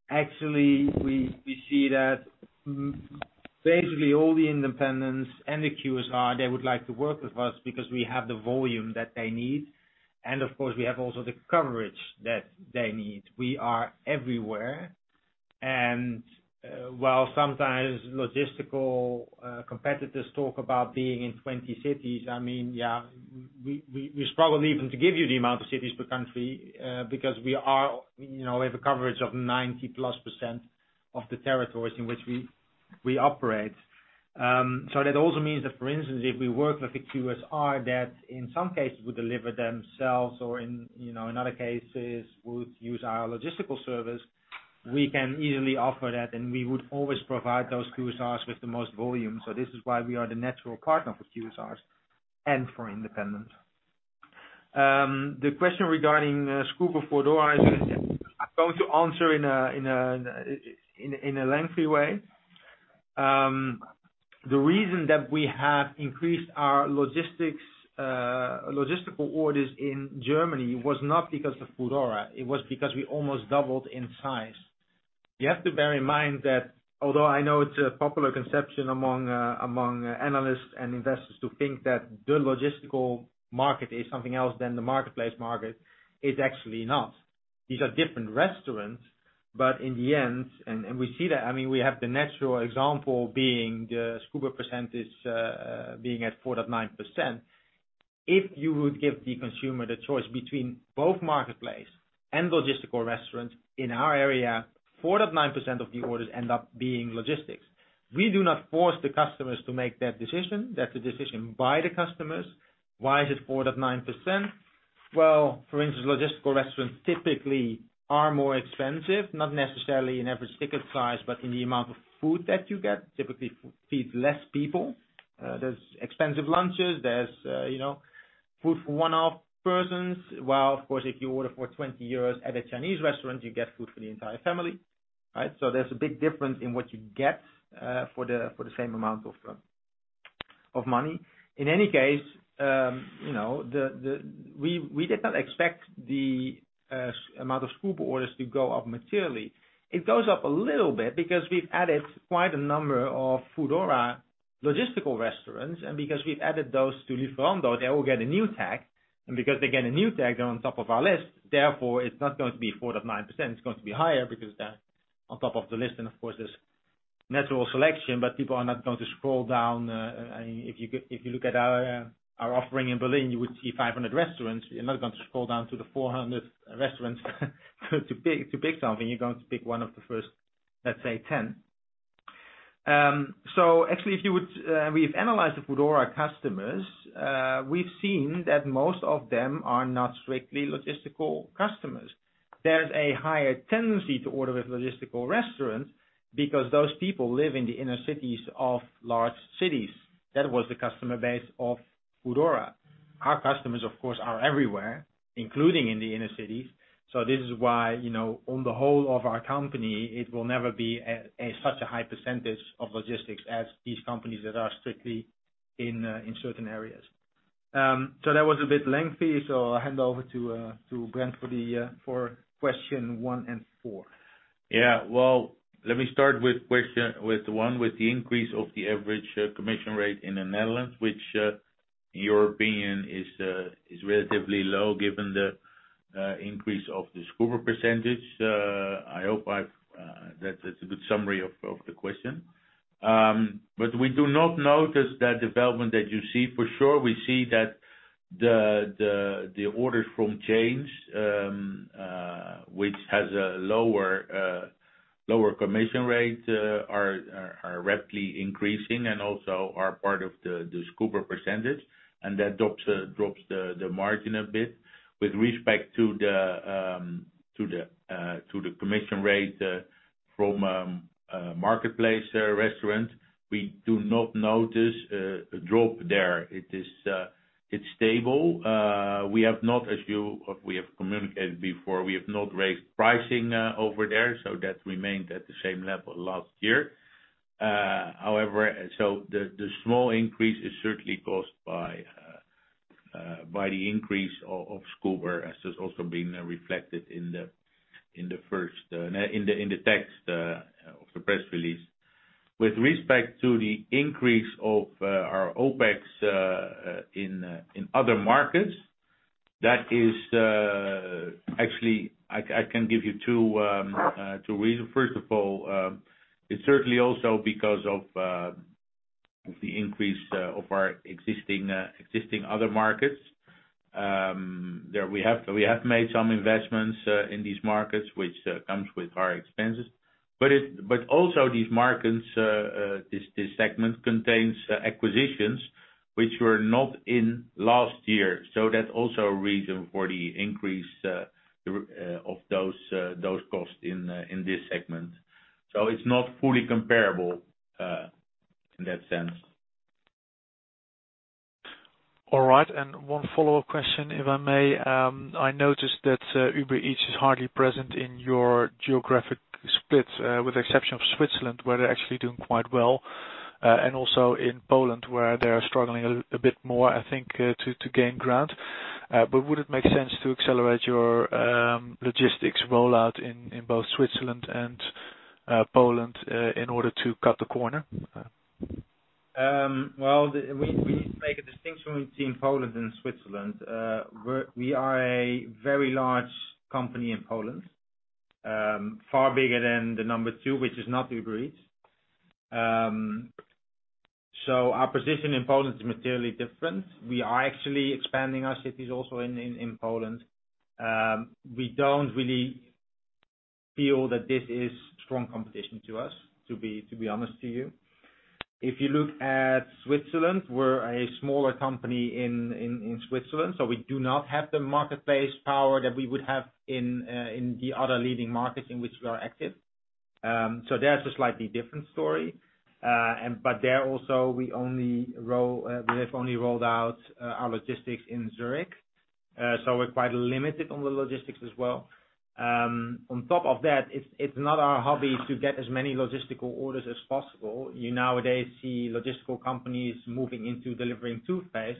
Actually, we see that basically all the independents and the QSR, they would like to work with us because we have the volume that they need, and of course, we have also the coverage that they need. We are everywhere, and while sometimes logistical competitors talk about being in 20 cities, we struggle even to give you the amount of cities per country, because we have a coverage of 90+% of the territories in which we operate. That also means that, for instance, if we work with a QSR that in some cases would deliver themselves or in other cases would use our logistical service, we can easily offer that, and we would always provide those QSRs with the most volume. This is why we are the natural partner for QSRs and for independents. The question regarding Scoober Foodora, I'm going to answer in a lengthy way. The reason that we have increased our logistical orders in Germany was not because of Foodora, it was because we almost doubled in size. You have to bear in mind that although I know it's a popular conception among analysts and investors to think that the logistical market is something else than the marketplace market, it's actually not. These are different restaurants, but in the end, and we see that. We have the natural example being the Scoober percentage being at 4.9%. If you would give the consumer the choice between both marketplace and logistical restaurants in our area, 4.9% of the orders end up being logistics. We do not force the customers to make that decision. That's a decision by the customers. Why is it 4.9%? Well, for instance, logistical restaurants typically are more expensive, not necessarily in average ticket size, but in the amount of food that you get. Typically feeds less people. There's expensive lunches, there's food for one person. Well, of course, if you order for 20 euros at a Chinese restaurant, you get food for the entire family, right? There's a big difference in what you get for the same amount of money. In any case, we did not expect the amount of Scoober orders to go up materially. It goes up a little bit because we've added quite a number of Foodora logistical restaurants, and because we've added those to Lieferando, they all get a new tag. Because they get a new tag, they're on top of our list. Therefore, it's not going to be 4.9%, it's going to be higher because they're on top of the list. Of course, there's natural selection, but people are not going to scroll down. If you look at our offering in Berlin, you would see 500 restaurants. You're not going to scroll down to the 400 restaurants to pick something. You're going to pick one of the first, let's say, 10. Actually, we've analyzed the Foodora customers. We've seen that most of them are not strictly logistical customers. There's a higher tendency to order with logistical restaurants because those people live in the inner cities of large cities. That was the customer base of Foodora. Our customers, of course, are everywhere, including in the inner cities. This is why, on the whole of our company, it will never be such a high percentage of logistics as these companies that are strictly in certain areas. That was a bit lengthy, so I'll hand over to Brent for question one and four. Let me start with one, with the increase of the average commission rate in the Netherlands, which in your opinion is relatively low given the increase of the Scoober percentage. I hope that's a good summary of the question. We do not notice that development that you see. For sure, we see that the orders from chains, which has a lower commission rate, are rapidly increasing and also are part of the Scoober percentage, and that drops the margin a bit. With respect to the commission rate from marketplace restaurants, we do not notice a drop there. It is stable. We have communicated before, we have not raised pricing over there, so that remained at the same level last year. The small increase is certainly caused by the increase of Scoober, as has also been reflected in the text of the press release. With respect to the increase of our OPEX in other markets, actually, I can give you two reasons. First of all, it's certainly also because of the increase of our existing other markets. We have made some investments in these markets, which comes with higher expenses. Also these markets, this segment contains acquisitions which were not in last year. That's also a reason for the increase of those costs in this segment. It's not fully comparable in that sense. All right. One follow-up question, if I may. I noticed that Uber Eats is hardly present in your geographic split, with the exception of Switzerland, where they're actually doing quite well, and also in Poland, where they're struggling a bit more, I think, to gain ground. Would it make sense to accelerate your logistics rollout in both Switzerland and Poland in order to cut the corner? Well, we need to make a distinction between Poland and Switzerland. We are a very large company in Poland. Far bigger than the number two, which is not Uber Eats. Our position in Poland is materially different. We are actually expanding our cities also in Poland. We don't really feel that this is strong competition to us, to be honest to you. If you look at Switzerland, we're a smaller company in Switzerland, we do not have the marketplace power that we would have in the other leading markets in which we are active. There's a slightly different story. There also, we have only rolled out our logistics in Zurich, we're quite limited on the logistics as well. On top of that, it's not our hobby to get as many logistical orders as possible. You nowadays see logistical companies moving into delivering toothpaste.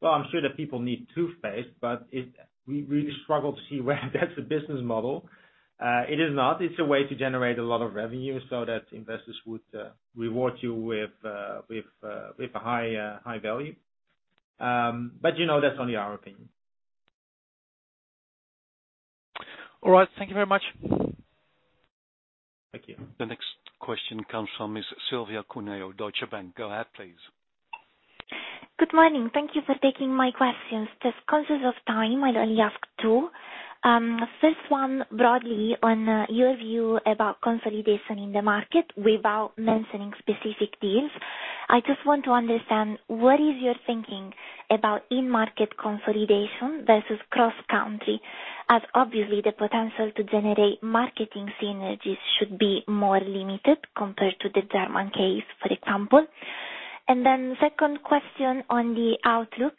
Well, I'm sure that people need toothpaste. We really struggle to see where that's a business model. It is not. It's a way to generate a lot of revenue so that investors would reward you with a high value. That's only our opinion. All right. Thank you very much. Thank you. The next question comes from Miss Silvia Cuneo, Deutsche Bank. Go ahead, please. Good morning. Thank you for taking my questions. Just conscious of time, I'd only ask two. First one, broadly on your view about consolidation in the market without mentioning specific deals. I just want to understand, what is your thinking about in-market consolidation versus cross-country? As obviously the potential to generate marketing synergies should be more limited compared to the German case, for example. Then second question on the outlook.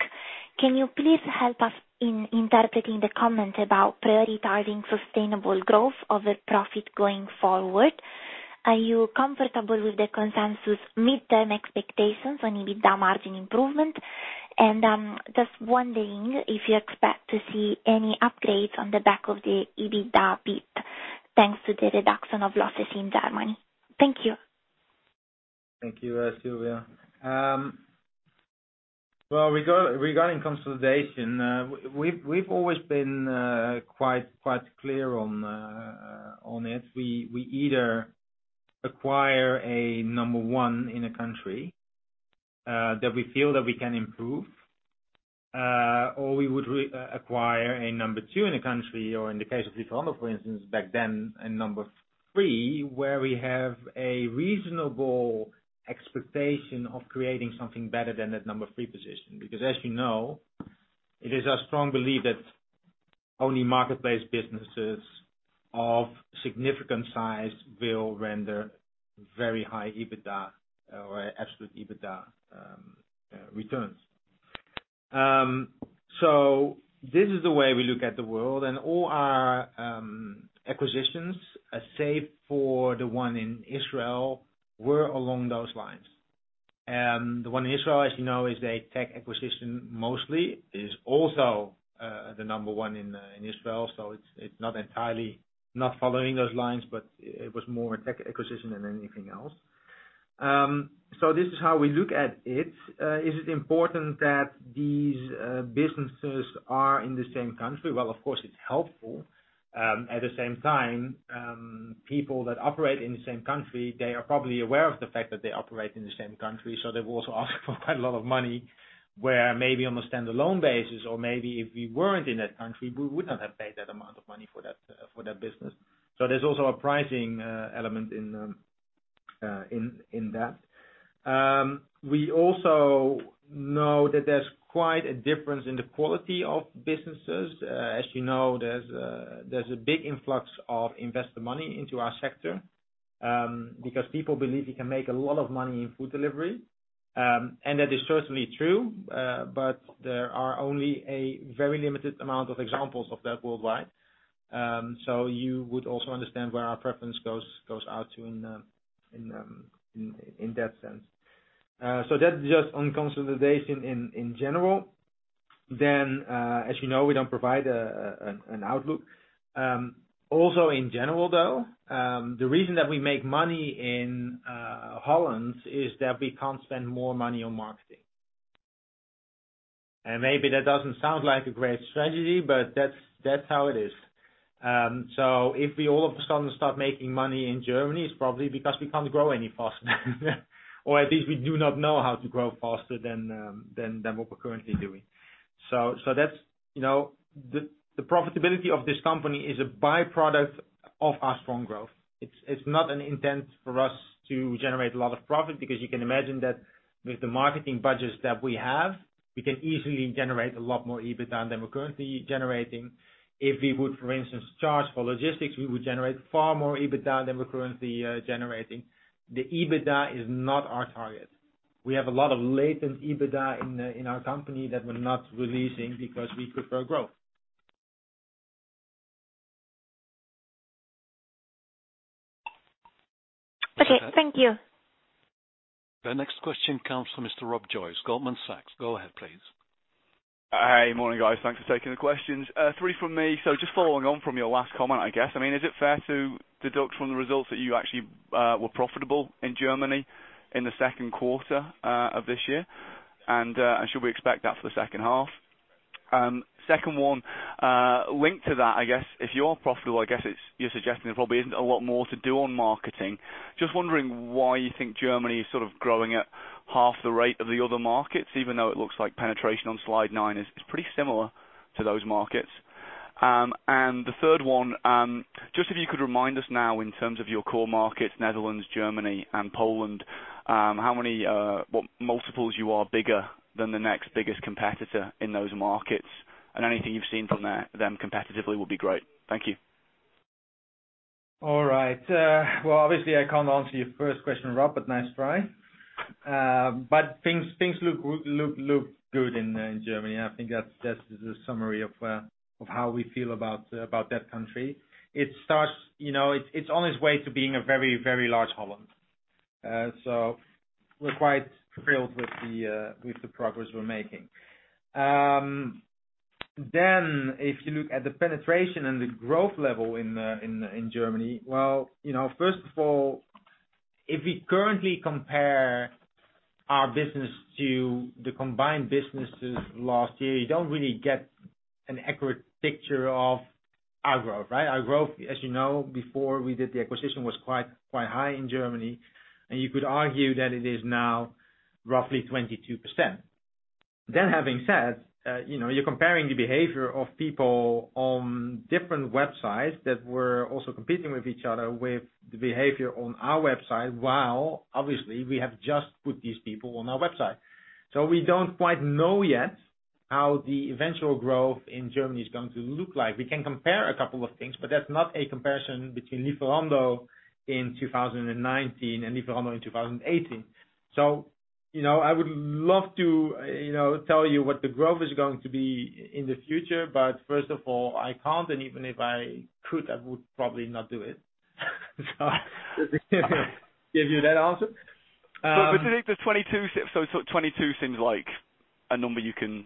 Can you please help us in interpreting the comment about prioritizing sustainable growth over profit going forward? Are you comfortable with the consensus mid-term expectations on EBITDA margin improvement? I'm just wondering if you expect to see any upgrades on the back of the EBITDA peak, thanks to the reduction of losses in Germany. Thank you. Thank you, Silvia. Regarding consolidation, we've always been quite clear on it. We either acquire a number one in a country that we feel that we can improve, or we would acquire a number two in a country or in the case of Lieferando, for instance, back then, a number three, where we have a reasonable expectation of creating something better than that number three position. As you know, it is our strong belief that only marketplace businesses of significant size will render very high EBITDA or absolute EBITDA returns. This is the way we look at the world and all our acquisitions, save for the one in Israel, were along those lines. The one in Israel, as you know, is a tech acquisition mostly, is also the number one in Israel. It's not entirely not following those lines, but it was more a tech acquisition than anything else. This is how we look at it. Is it important that these businesses are in the same country? Well, of course, it's helpful. At the same time, people that operate in the same country, they are probably aware of the fact that they operate in the same country, so they will also ask for quite a lot of money, where maybe on a standalone basis or maybe if we weren't in that country, we would not have paid that amount of money for that business. There's also a pricing element in that. We also know that there's quite a difference in the quality of businesses. As you know, there's a big influx of investor money into our sector, because people believe you can make a lot of money in food delivery. That is certainly true, but there are only a very limited amount of examples of that worldwide. You would also understand where our preference goes out to in that sense. That's just on consolidation in general. As you know, we don't provide an outlook. In general though, the reason that we make money in Holland is that we can't spend more money on marketing. Maybe that doesn't sound like a great strategy, but that's how it is. If we all of a sudden start making money in Germany, it's probably because we can't grow any faster. At least we do not know how to grow faster than what we're currently doing. The profitability of this company is a byproduct of our strong growth. It is not an intent for us to generate a lot of profit because you can imagine that with the marketing budgets that we have, we can easily generate a lot more EBITDA than we are currently generating. If we would, for instance, charge for logistics, we would generate far more EBITDA than we are currently generating. The EBITDA is not our target. We have a lot of latent EBITDA in our company that we are not releasing because we prefer growth. Okay. Thank you. The next question comes from Mr. Rob Joyce, Goldman Sachs. Go ahead, please. Hi. Morning, guys. Thanks for taking the questions. Three from me. Just following on from your last comment, I guess. Is it fair to deduct from the results that you actually were profitable in Germany in the second quarter of this year? Should we expect that for the second half? Second one, linked to that, I guess if you are profitable, I guess you're suggesting there probably isn't a lot more to do on marketing. Just wondering why you think Germany is sort of growing at half the rate of the other markets, even though it looks like penetration on Slide nine is pretty similar to those markets. The third one, just if you could remind us now in terms of your core markets, Netherlands, Germany, and Poland, what multiples you are bigger than the next biggest competitor in those markets, and anything you've seen from them competitively would be great. Thank you. All right. Obviously, I can't answer your first question, Rob, nice try. Things look good in Germany. I think that's the summary of how we feel about that country. It's on its way to being a very large Holland. We're quite thrilled with the progress we're making. If you look at the penetration and the growth level in Germany, first of all, if we currently compare our business to the combined businesses last year, you don't really get an accurate picture of our growth, right? Our growth, as you know, before we did the acquisition, was quite high in Germany, and you could argue that it is now roughly 22%. That having said, you're comparing the behavior of people on different websites that were also competing with each other, with the behavior on our website, while obviously we have just put these people on our website. We don't quite know yet how the eventual growth in Germany is going to look like. We can compare a couple of things, but that's not a comparison between Lieferando in 2019 and Lieferando in 2018. I would love to tell you what the growth is going to be in the future, but first of all, I can't, and even if I could, I would probably not do it. Give you that answer. The 22 seems like a number you can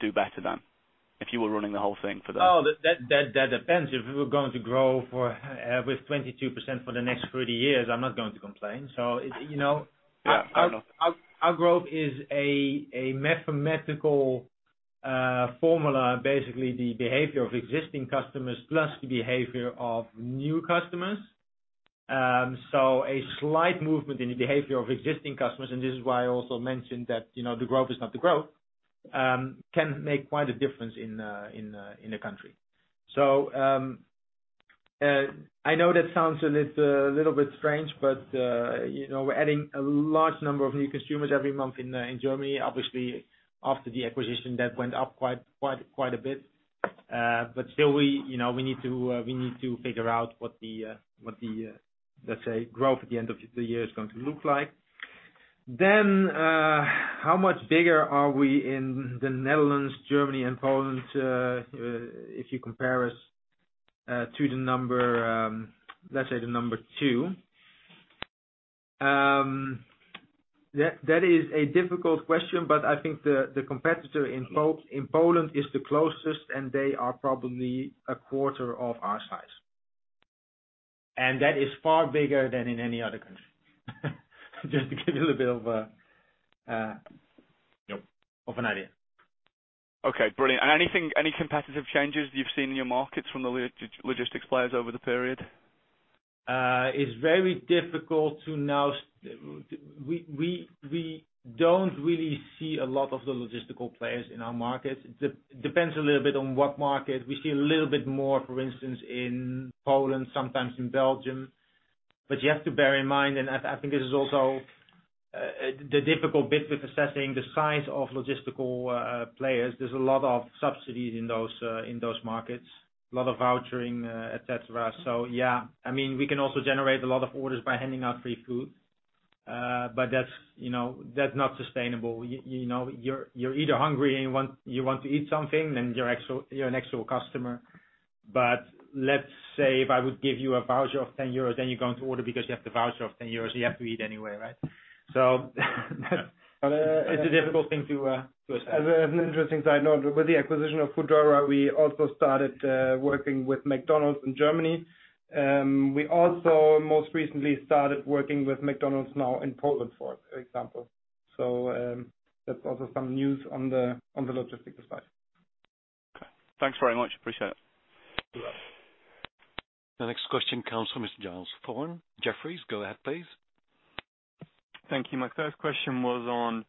do better than if you were running the whole thing for that. Oh, that depends. If we were going to grow with 22% for the next 30 years, I'm not going to complain. Yeah, fair enough. Our growth is a mathematical formula, basically the behavior of existing customers plus the behavior of new customers. A slight movement in the behavior of existing customers, and this is why I also mentioned that the growth is not the growth, can make quite a difference in a country. I know that sounds a little bit strange, we're adding a large number of new consumers every month in Germany. Obviously, after the acquisition, that went up quite a bit. Still, we need to figure out what the, let's say, growth at the end of the year is going to look like. How much bigger are we in the Netherlands, Germany, and Poland if you compare us to the number, let's say the number two. That is a difficult question, but I think the competitor in Poland is the closest, and they are probably a quarter of our size. That is far bigger than in any other country. Just to give you a little bit of an idea. Okay, brilliant. Any competitive changes you've seen in your markets from the logistics players over the period? It's very difficult to know. We don't really see a lot of the logistical players in our markets. Depends a little bit on what market. We see a little bit more, for instance, in Poland, sometimes in Belgium. You have to bear in mind, and I think this is also the difficult bit with assessing the size of logistical players, there's a lot of subsidies in those markets, a lot of vouchering, et cetera. Yeah. We can also generate a lot of orders by handing out free food. That's not sustainable. You're either hungry and you want to eat something, then you're an actual customer. Let's say if I would give you a voucher of 10 euros, then you're going to order because you have the voucher of 10 euros, you have to eat anyway, right? It's a difficult thing to assess. As an interesting side note, with the acquisition of Foodora, we also started working with McDonald's in Germany. We also most recently started working with McDonald's now in Poland, for example. That's also some news on the logistics side. Okay. Thanks very much. Appreciate it. You're welcome. The next question comes from Mr. Giles Thorne, Jefferies. Go ahead, please. Thank you. My first question was on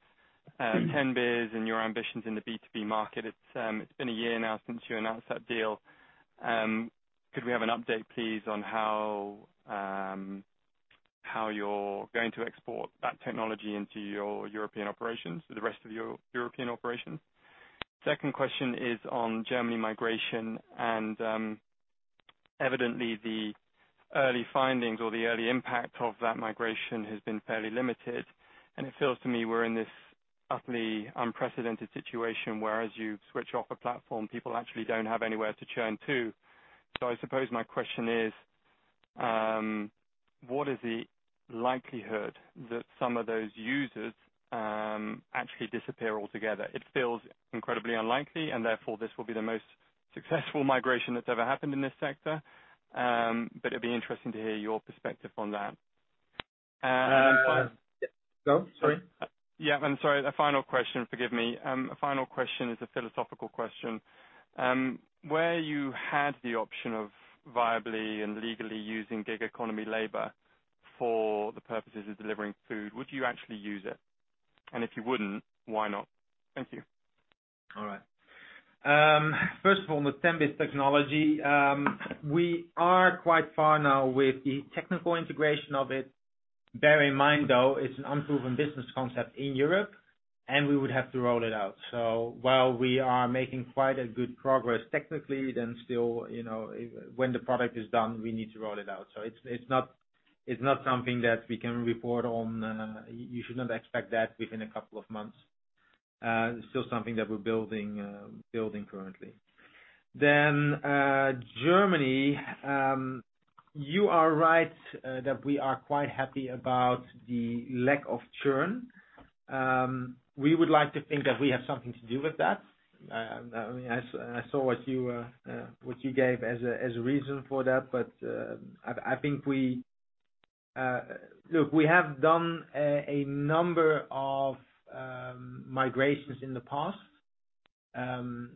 10bis and your ambitions in the B2B market. It's been a year now since you announced that deal. Could we have an update, please, on how you're going to export that technology into your European operations, the rest of your European operations? Second question is on Germany migration, evidently the early findings or the early impact of that migration has been fairly limited, and it feels to me we're in this utterly unprecedented situation where as you switch off a platform, people actually don't have anywhere to churn to. I suppose my question is, what is the likelihood that some of those users actually disappear altogether? It feels incredibly unlikely; therefore, this will be the most successful migration that's ever happened in this sector. It'd be interesting to hear your perspective on that. Go, sorry. Yeah, sorry, the final question, forgive me. A final question is a philosophical question. Where you had the option of viably and legally using gig economy labor for the purposes of delivering food, would you actually use it? If you wouldn't, why not? Thank you. All right. First of all, with 10bis technology, we are quite far now with the technical integration of it. Bear in mind, though, it's an unproven business concept in Europe, and we would have to roll it out. While we are making quite a good progress technically, then still, when the product is done, we need to roll it out. It's not something that we can report on. You should not expect that within a couple of months. Still something that we're building currently. Germany, you are right that we are quite happy about the lack of churn. We would like to think that we have something to do with that. I saw what you gave as a reason for that. Look, we have done a number of migrations in the past.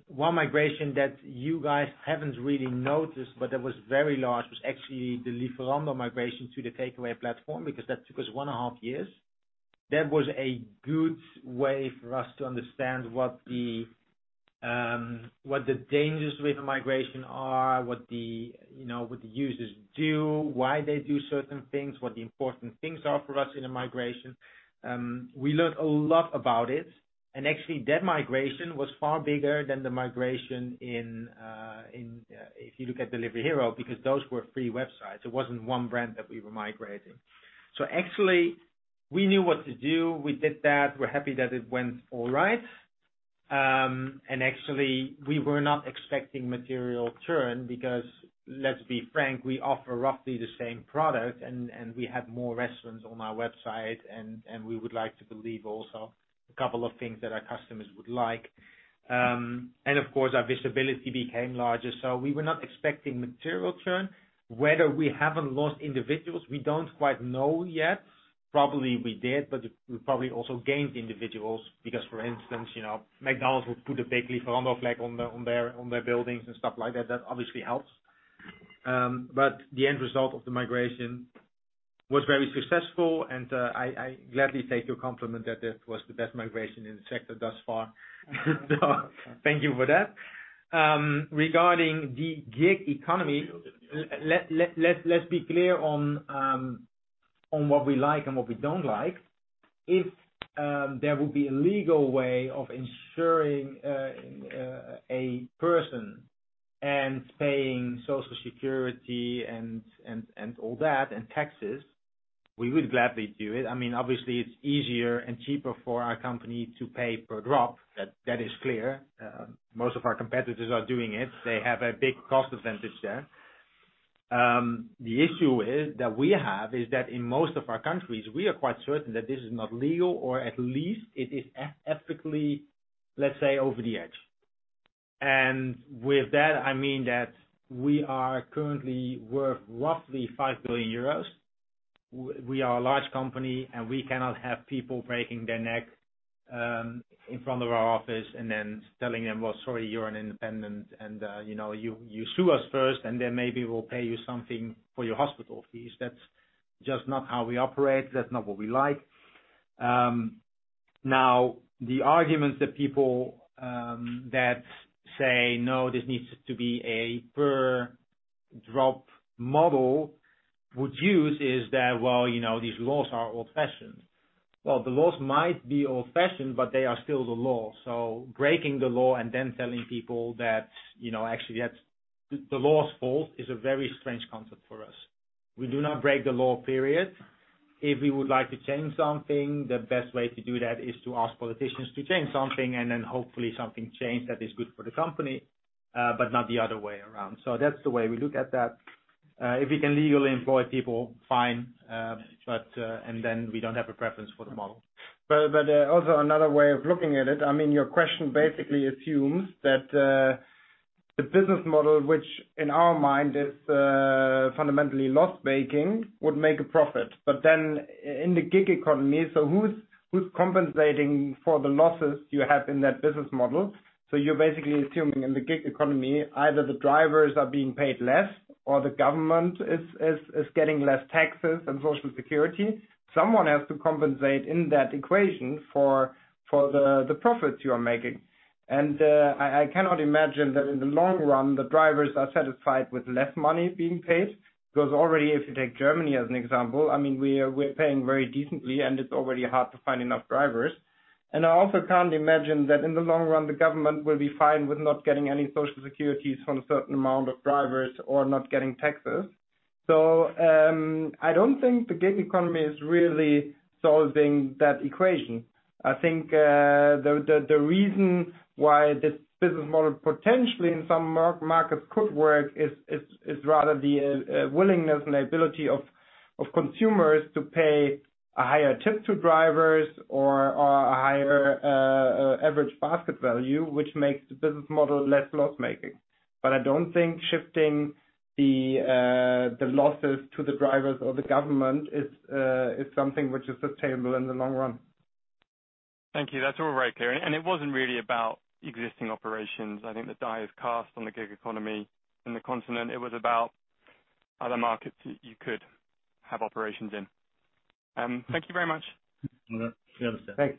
One migration that you guys haven't really noticed, but that was very large, was actually the Lieferando migration to the Takeaway platform, because that took us one and a half years. That was a good way for us to understand what the dangers with migration are, what the users do, why they do certain things, what the important things are for us in a migration. We learned a lot about it. Actually, that migration was far bigger than the migration if you look at Delivery Hero, because those were three websites. It wasn't one brand that we were migrating. Actually, we knew what to do. We did that. We're happy that it went all right. Actually, we were not expecting material churn because, let's be frank, we offer roughly the same product and we have more restaurants on our website, and we would like to believe also a couple of things that our customers would like. Of course, our visibility became larger. We were not expecting material churn. Whether we haven't lost individuals, we don't quite know yet. Probably we did, but we probably also gained individuals because, for instance, McDonald's would put a big Lieferando flag on their buildings and stuff like that. That obviously helps. The end result of the migration was very successful, and I gladly take your compliment that it was the best migration in the sector thus far. Thank you for that. Regarding the gig economy, let's be clear on what we like and what we don't like. If there will be a legal way of ensuring a person and paying Social Security and all that, and taxes, we would gladly do it. Obviously, it's easier and cheaper for our company to pay per drop. That is clear. Most of our competitors are doing it. They have a big cost advantage there. The issue that we have is that in most of our countries, we are quite certain that this is not legal or at least it is ethically, let's say, over the edge. With that, I mean that we are currently worth roughly 5 billion euros. We are a large company, and we cannot have people breaking their neck in front of our office and then telling them, "Well, sorry, you're an independent. You sue us first, and then maybe we'll pay you something for your hospital fees." That's just not how we operate. The arguments that people that say, "No, this needs to be a per drop model," would use is that, well, these laws are old-fashioned. The laws might be old-fashioned, but they are still the law. Breaking the law and then telling people that actually the law's fault is a very strange concept for us. We do not break the law, period. If we would like to change something, the best way to do that is to ask politicians to change something and then hopefully something change that is good for the company, but not the other way around. That's the way we look at that. If we can legally employ people, fine, and then we don't have a preference for the model. Also another way of looking at it, your question basically assumes that the business model, which in our mind is fundamentally loss-making, would make a profit. In the gig economy, who's compensating for the losses you have in that business model? You're basically assuming in the gig economy, either the drivers are being paid less or the government is getting less taxes and social security. Someone has to compensate in that equation for the profits you are making. I cannot imagine that in the long run, the drivers are satisfied with less money being paid, because already, if you take Germany as an example, we're paying very decently, and it's already hard to find enough drivers. I also can't imagine that in the long run, the government will be fine with not getting any social securities from a certain amount of drivers or not getting taxes. I don't think the gig economy is really solving that equation. I think the reason why this business model potentially in some markets could work is rather the willingness and ability of consumers to pay a higher tip to drivers or a higher average basket value, which makes the business model less loss-making. I don't think shifting the losses to the drivers or the government is something which is sustainable in the long run. Thank you. That's all very clear. It wasn't really about existing operations. I think the die is cast on the gig economy in the continent. It was about other markets that you could have operations in. Thank you very much. You understand. Thanks.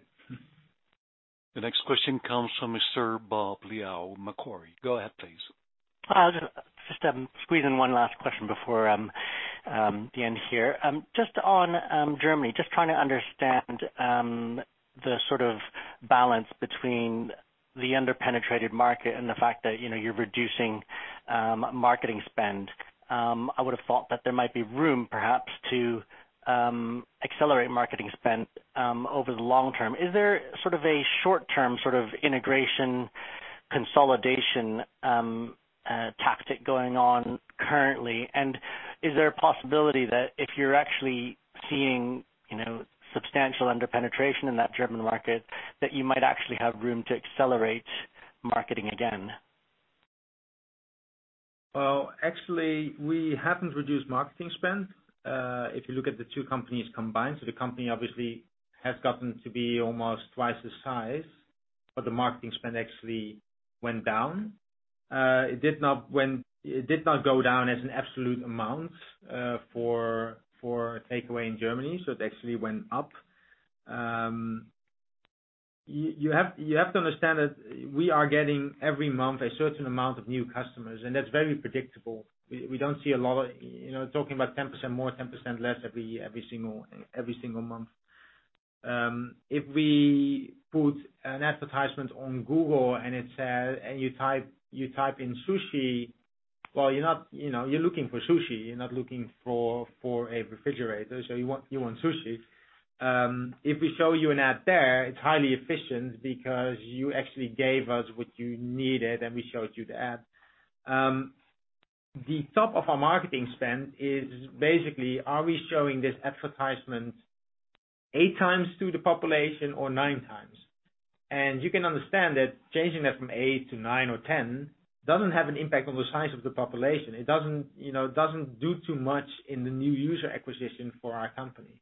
The next question comes from Mr. Bob Liao, Macquarie. Go ahead, please. I'll just squeeze in one last question before the end here. Just on Germany, just trying to understand the sort of balance between the under-penetrated market and the fact that you're reducing marketing spend. I would've thought that there might be room perhaps to accelerate marketing spend over the long term. Is there sort of a short-term integration consolidation tactic going on currently? Is there a possibility that if you're actually seeing substantial under-penetration in that German market, that you might actually have room to accelerate marketing again? Actually, we haven't reduced marketing spend. If you look at the two companies combined, the company obviously has gotten to be almost twice the size, the marketing spend actually went down. It did not go down as an absolute amount for Takeaway.com in Germany, it actually went up. You have to understand that we are getting every month a certain amount of new customers, that's very predictable. We're talking about 10% more, 10% less every single month. If we put an advertisement on Google, you type in sushi, you're looking for sushi, you're not looking for a refrigerator, you want sushi. If we show you an ad there, it's highly efficient because you actually gave us what you needed, we showed you the ad. The top of our marketing spend is basically, are we showing this advertisement eight times to the population or nine times? You can understand that changing that from eight to nine or 10 doesn't have an impact on the size of the population. It doesn't do too much in the new user acquisition for our company.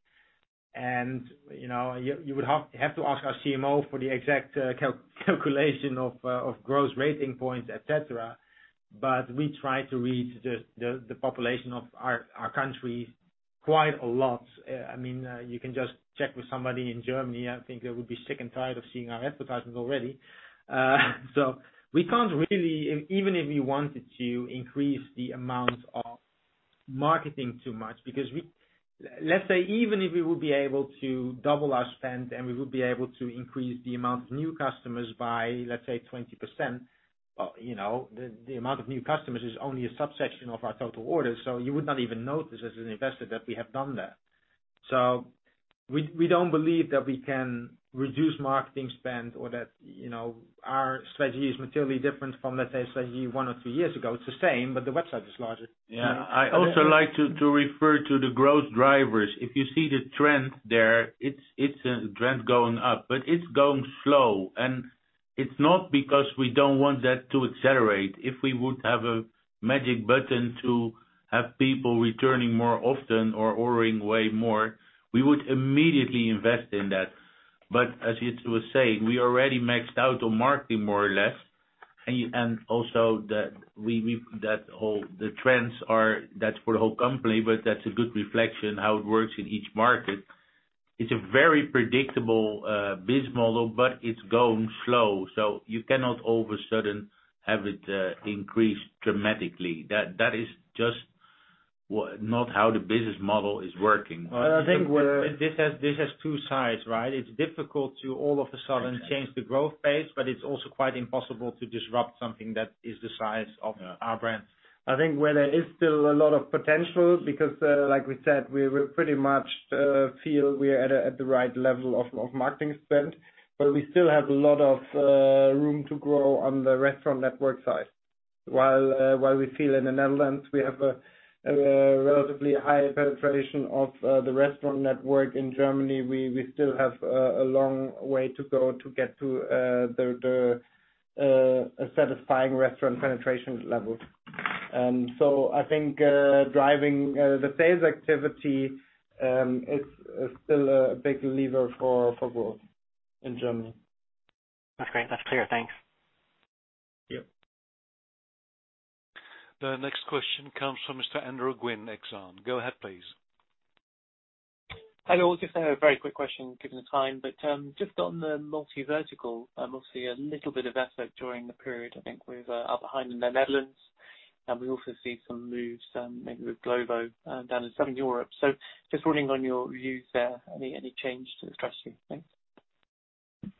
You would have to ask our CMO for the exact calculation of Gross Rating Points, et cetera. We try to reach the population of our country quite a lot. You can just check with somebody in Germany, I think they would be sick and tired of seeing our advertisements already. We can't really, even if we wanted to, increase the amount of marketing too much. Let's say even if we would be able to double our spend and we would be able to increase the amount of new customers by, let's say, 20%, the amount of new customers is only a subsection of our total orders, so you would not even notice as an investor that we have done that. We don't believe that we can reduce marketing spend or that our strategy is materially different from, let's say, strategy one or two years ago. It's the same. The website is larger. Yeah. I also like to refer to the growth drivers. If you see the trend there, it's a trend going up, but it's going slow. It's not because we don't want that to accelerate. If we would have a magic button to have people returning more often or ordering way more, we would immediately invest in that. As Jitse was saying, we already maxed out on marketing more or less. Also the trends are, that's for the whole company, but that's a good reflection how it works in each market. It's a very predictable biz model, but it's going slow. You cannot all of a sudden have it increase dramatically. That is just not how the business model is working. This has two sides, right? It's difficult to all of a sudden change the growth phase, but it's also quite impossible to disrupt something that is the size of our brand. I think where there is still a lot of potential because like we said, we pretty much feel we are at the right level of marketing spend. We still have a lot of room to grow on the restaurant network side. While we feel in the Netherlands we have a relatively high penetration of the restaurant network, in Germany, we still have a long way to go to get to the satisfying restaurant penetration levels. I think driving the sales activity is still a big lever for growth in Germany. That's great. That's clear. Thanks. Yep. The next question comes from Mr. Andrew Gwynn, Exane. Go ahead, please. Hello. I would just say a very quick question given the time, just on the multi vertical, we'll see a little bit of effort during the period. I think we're a bit behind in the Netherlands, and we also see some moves maybe with Glovo down in Southern Europe. Just wanting on your views there, any change to the strategy? Thanks.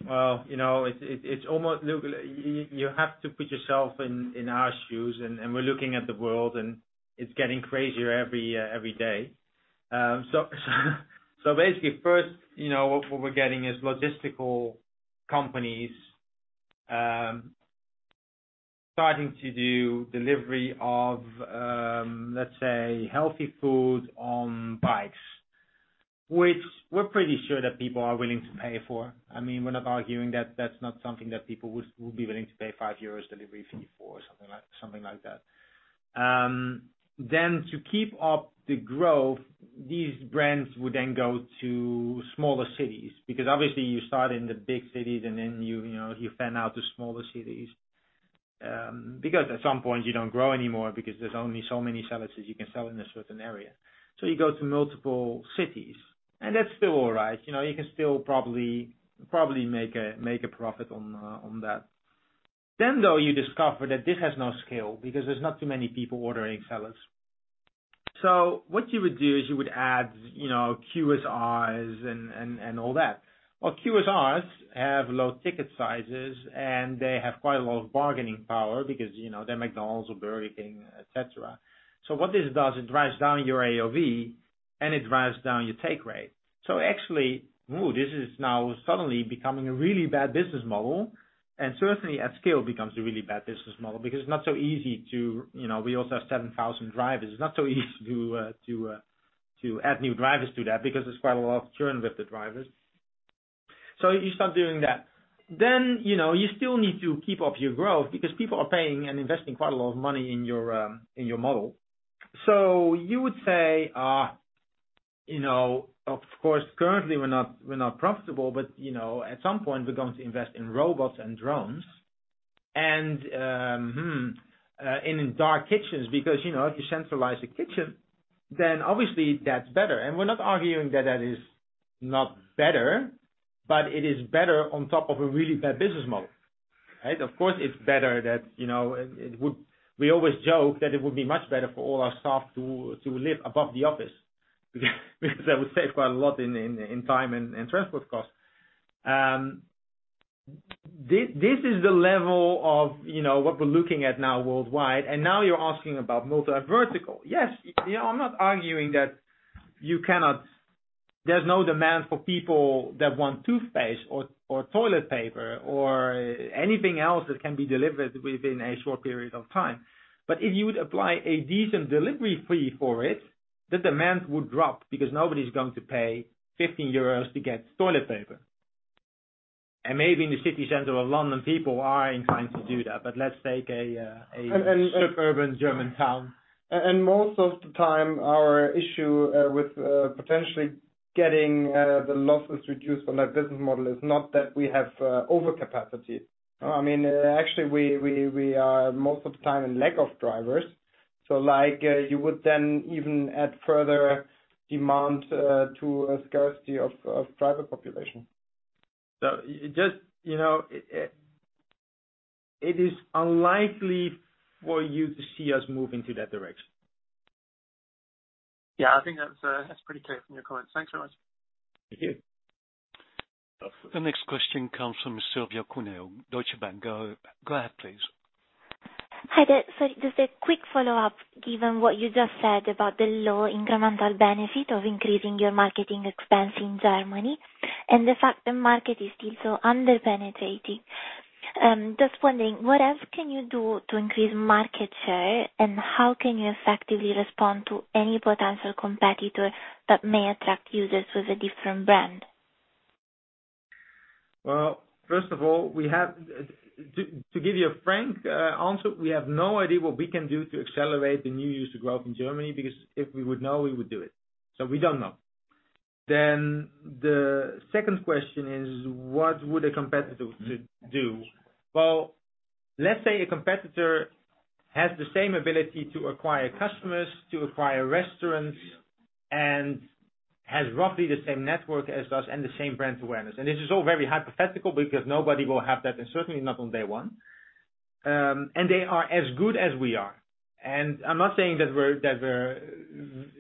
Well, you have to put yourself in our shoes and we're looking at the world and it's getting crazier every day. Basically first, what we're getting is logistical companies starting to do delivery of, let's say, healthy food on bikes, which we're pretty sure that people are willing to pay for. We're not arguing that that's not something that people would be willing to pay 5 euros delivery fee for or something like that. To keep up the growth, these brands would then go to smaller cities. Obviously you start in the big cities and then you fan out to smaller cities. At some point you don't grow anymore because there's only so many salads you can sell in a certain area. You go to multiple cities, that's still all right. You can still probably make a profit on that. Though you discover that this has no scale because there's not too many people ordering salads. What you would do is you would add QSRs and all that. QSRs have low ticket sizes and they have quite a lot of bargaining power because they're McDonald's or Burger King, et cetera. What this does, it drives down your AOV and it drives down your take rate. Actually, this is now suddenly becoming a really bad business model, and certainly at scale becomes a really bad business model because it's not so easy. We also have 7,000 drivers. It's not so easy to add new drivers to that because there's quite a lot of churn with the drivers. You start doing that. You still need to keep up your growth because people are paying and investing quite a lot of money in your model. You would say, of course, currently we're not profitable, but at some point, we're going to invest in robots and drones and in dark kitchens, because if you centralize the kitchen, then obviously that's better. We're not arguing that that is not better, but it is better on top of a really bad business model, right? Of course, it's better that we always joke that it would be much better for all our staff to live above the office because that would save quite a lot in time and transport costs. This is the level of what we're looking at now worldwide, and now you're asking about multi-vertical. Yes. I'm not arguing that there's no demand for people that want toothpaste or toilet paper or anything else that can be delivered within a short period of time. If you would apply a decent delivery fee for it, the demand would drop because nobody's going to pay 15 euros to get toilet paper. Maybe in the city center of London, people are inclined to do that, but let's take a suburban German town. Most of the time, our issue with potentially getting the losses reduced from that business model is not that we have overcapacity. Actually, we are most of the time in lack of drivers. Like, you would then even add further demand to a scarcity of driver population. It is unlikely for you to see us move into that direction. I think that's pretty clear from your comment. Thanks a lot. Thank you. The next question comes from Silvia Cuneo, Deutsche Bank. Go ahead, please. Hi there. Sorry, just a quick follow-up, given what you just said about the low incremental benefit of increasing your marketing expense in Germany and the fact the market is still so under-penetrated. Just wondering, what else can you do to increase market share, and how can you effectively respond to any potential competitor that may attract users with a different brand? Well, first of all, to give you a frank answer, we have no idea what we can do to accelerate the new user growth in Germany because if we would know, we would do it. We don't know. The second question is, what would a competitor do? Well, let's say a competitor has the same ability to acquire customers, to acquire restaurants, and has roughly the same network as us and the same brand awareness. This is all very hypothetical because nobody will have that, and certainly not on day one. They are as good as we are. I'm not saying that we're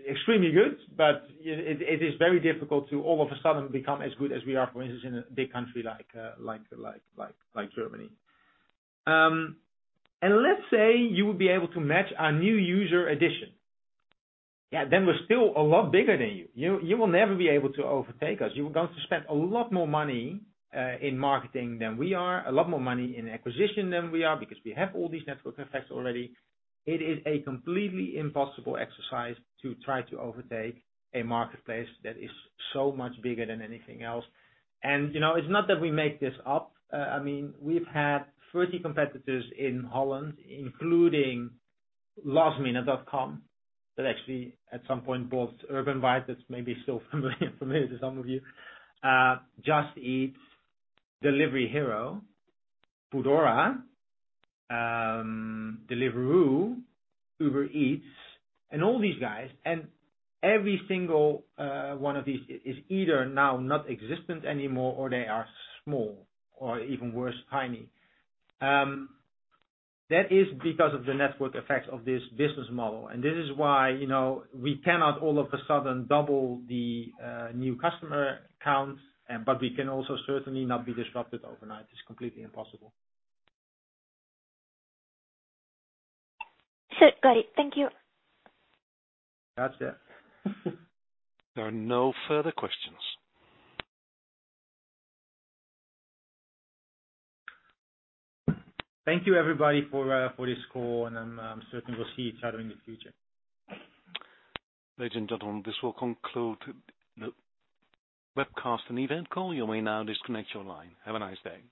extremely good, but it is very difficult to all of a sudden become as good as we are, for instance, in a big country like Germany. Let's say you would be able to match our new user addition. We're still a lot bigger than you. You will never be able to overtake us. You are going to spend a lot more money in marketing than we are, a lot more money in acquisition than we are because we have all these network effects already. It is a completely impossible exercise to try to overtake a marketplace that is so much bigger than anything else. It's not that we make this up. We've had 30 competitors in Holland, including Lastminute.com, that actually at some point bought Urbanbite, that's maybe still familiar to some of you. Just Eat, Delivery Hero, Foodora, Deliveroo, Uber Eats, and all these guys, and every single one of these is either now not existent anymore, or they are small, or even worse, tiny. That is because of the network effect of this business model. This is why we cannot all of a sudden double the new customer counts, but we can also certainly not be disrupted overnight. It's completely impossible. Sure. Got it. Thank you. That's it. There are no further questions. Thank you, everybody, for this call. I'm certain we'll see each other in the future. Ladies and gentlemen, this will conclude the webcast and event call. You may now disconnect your line. Have a nice day.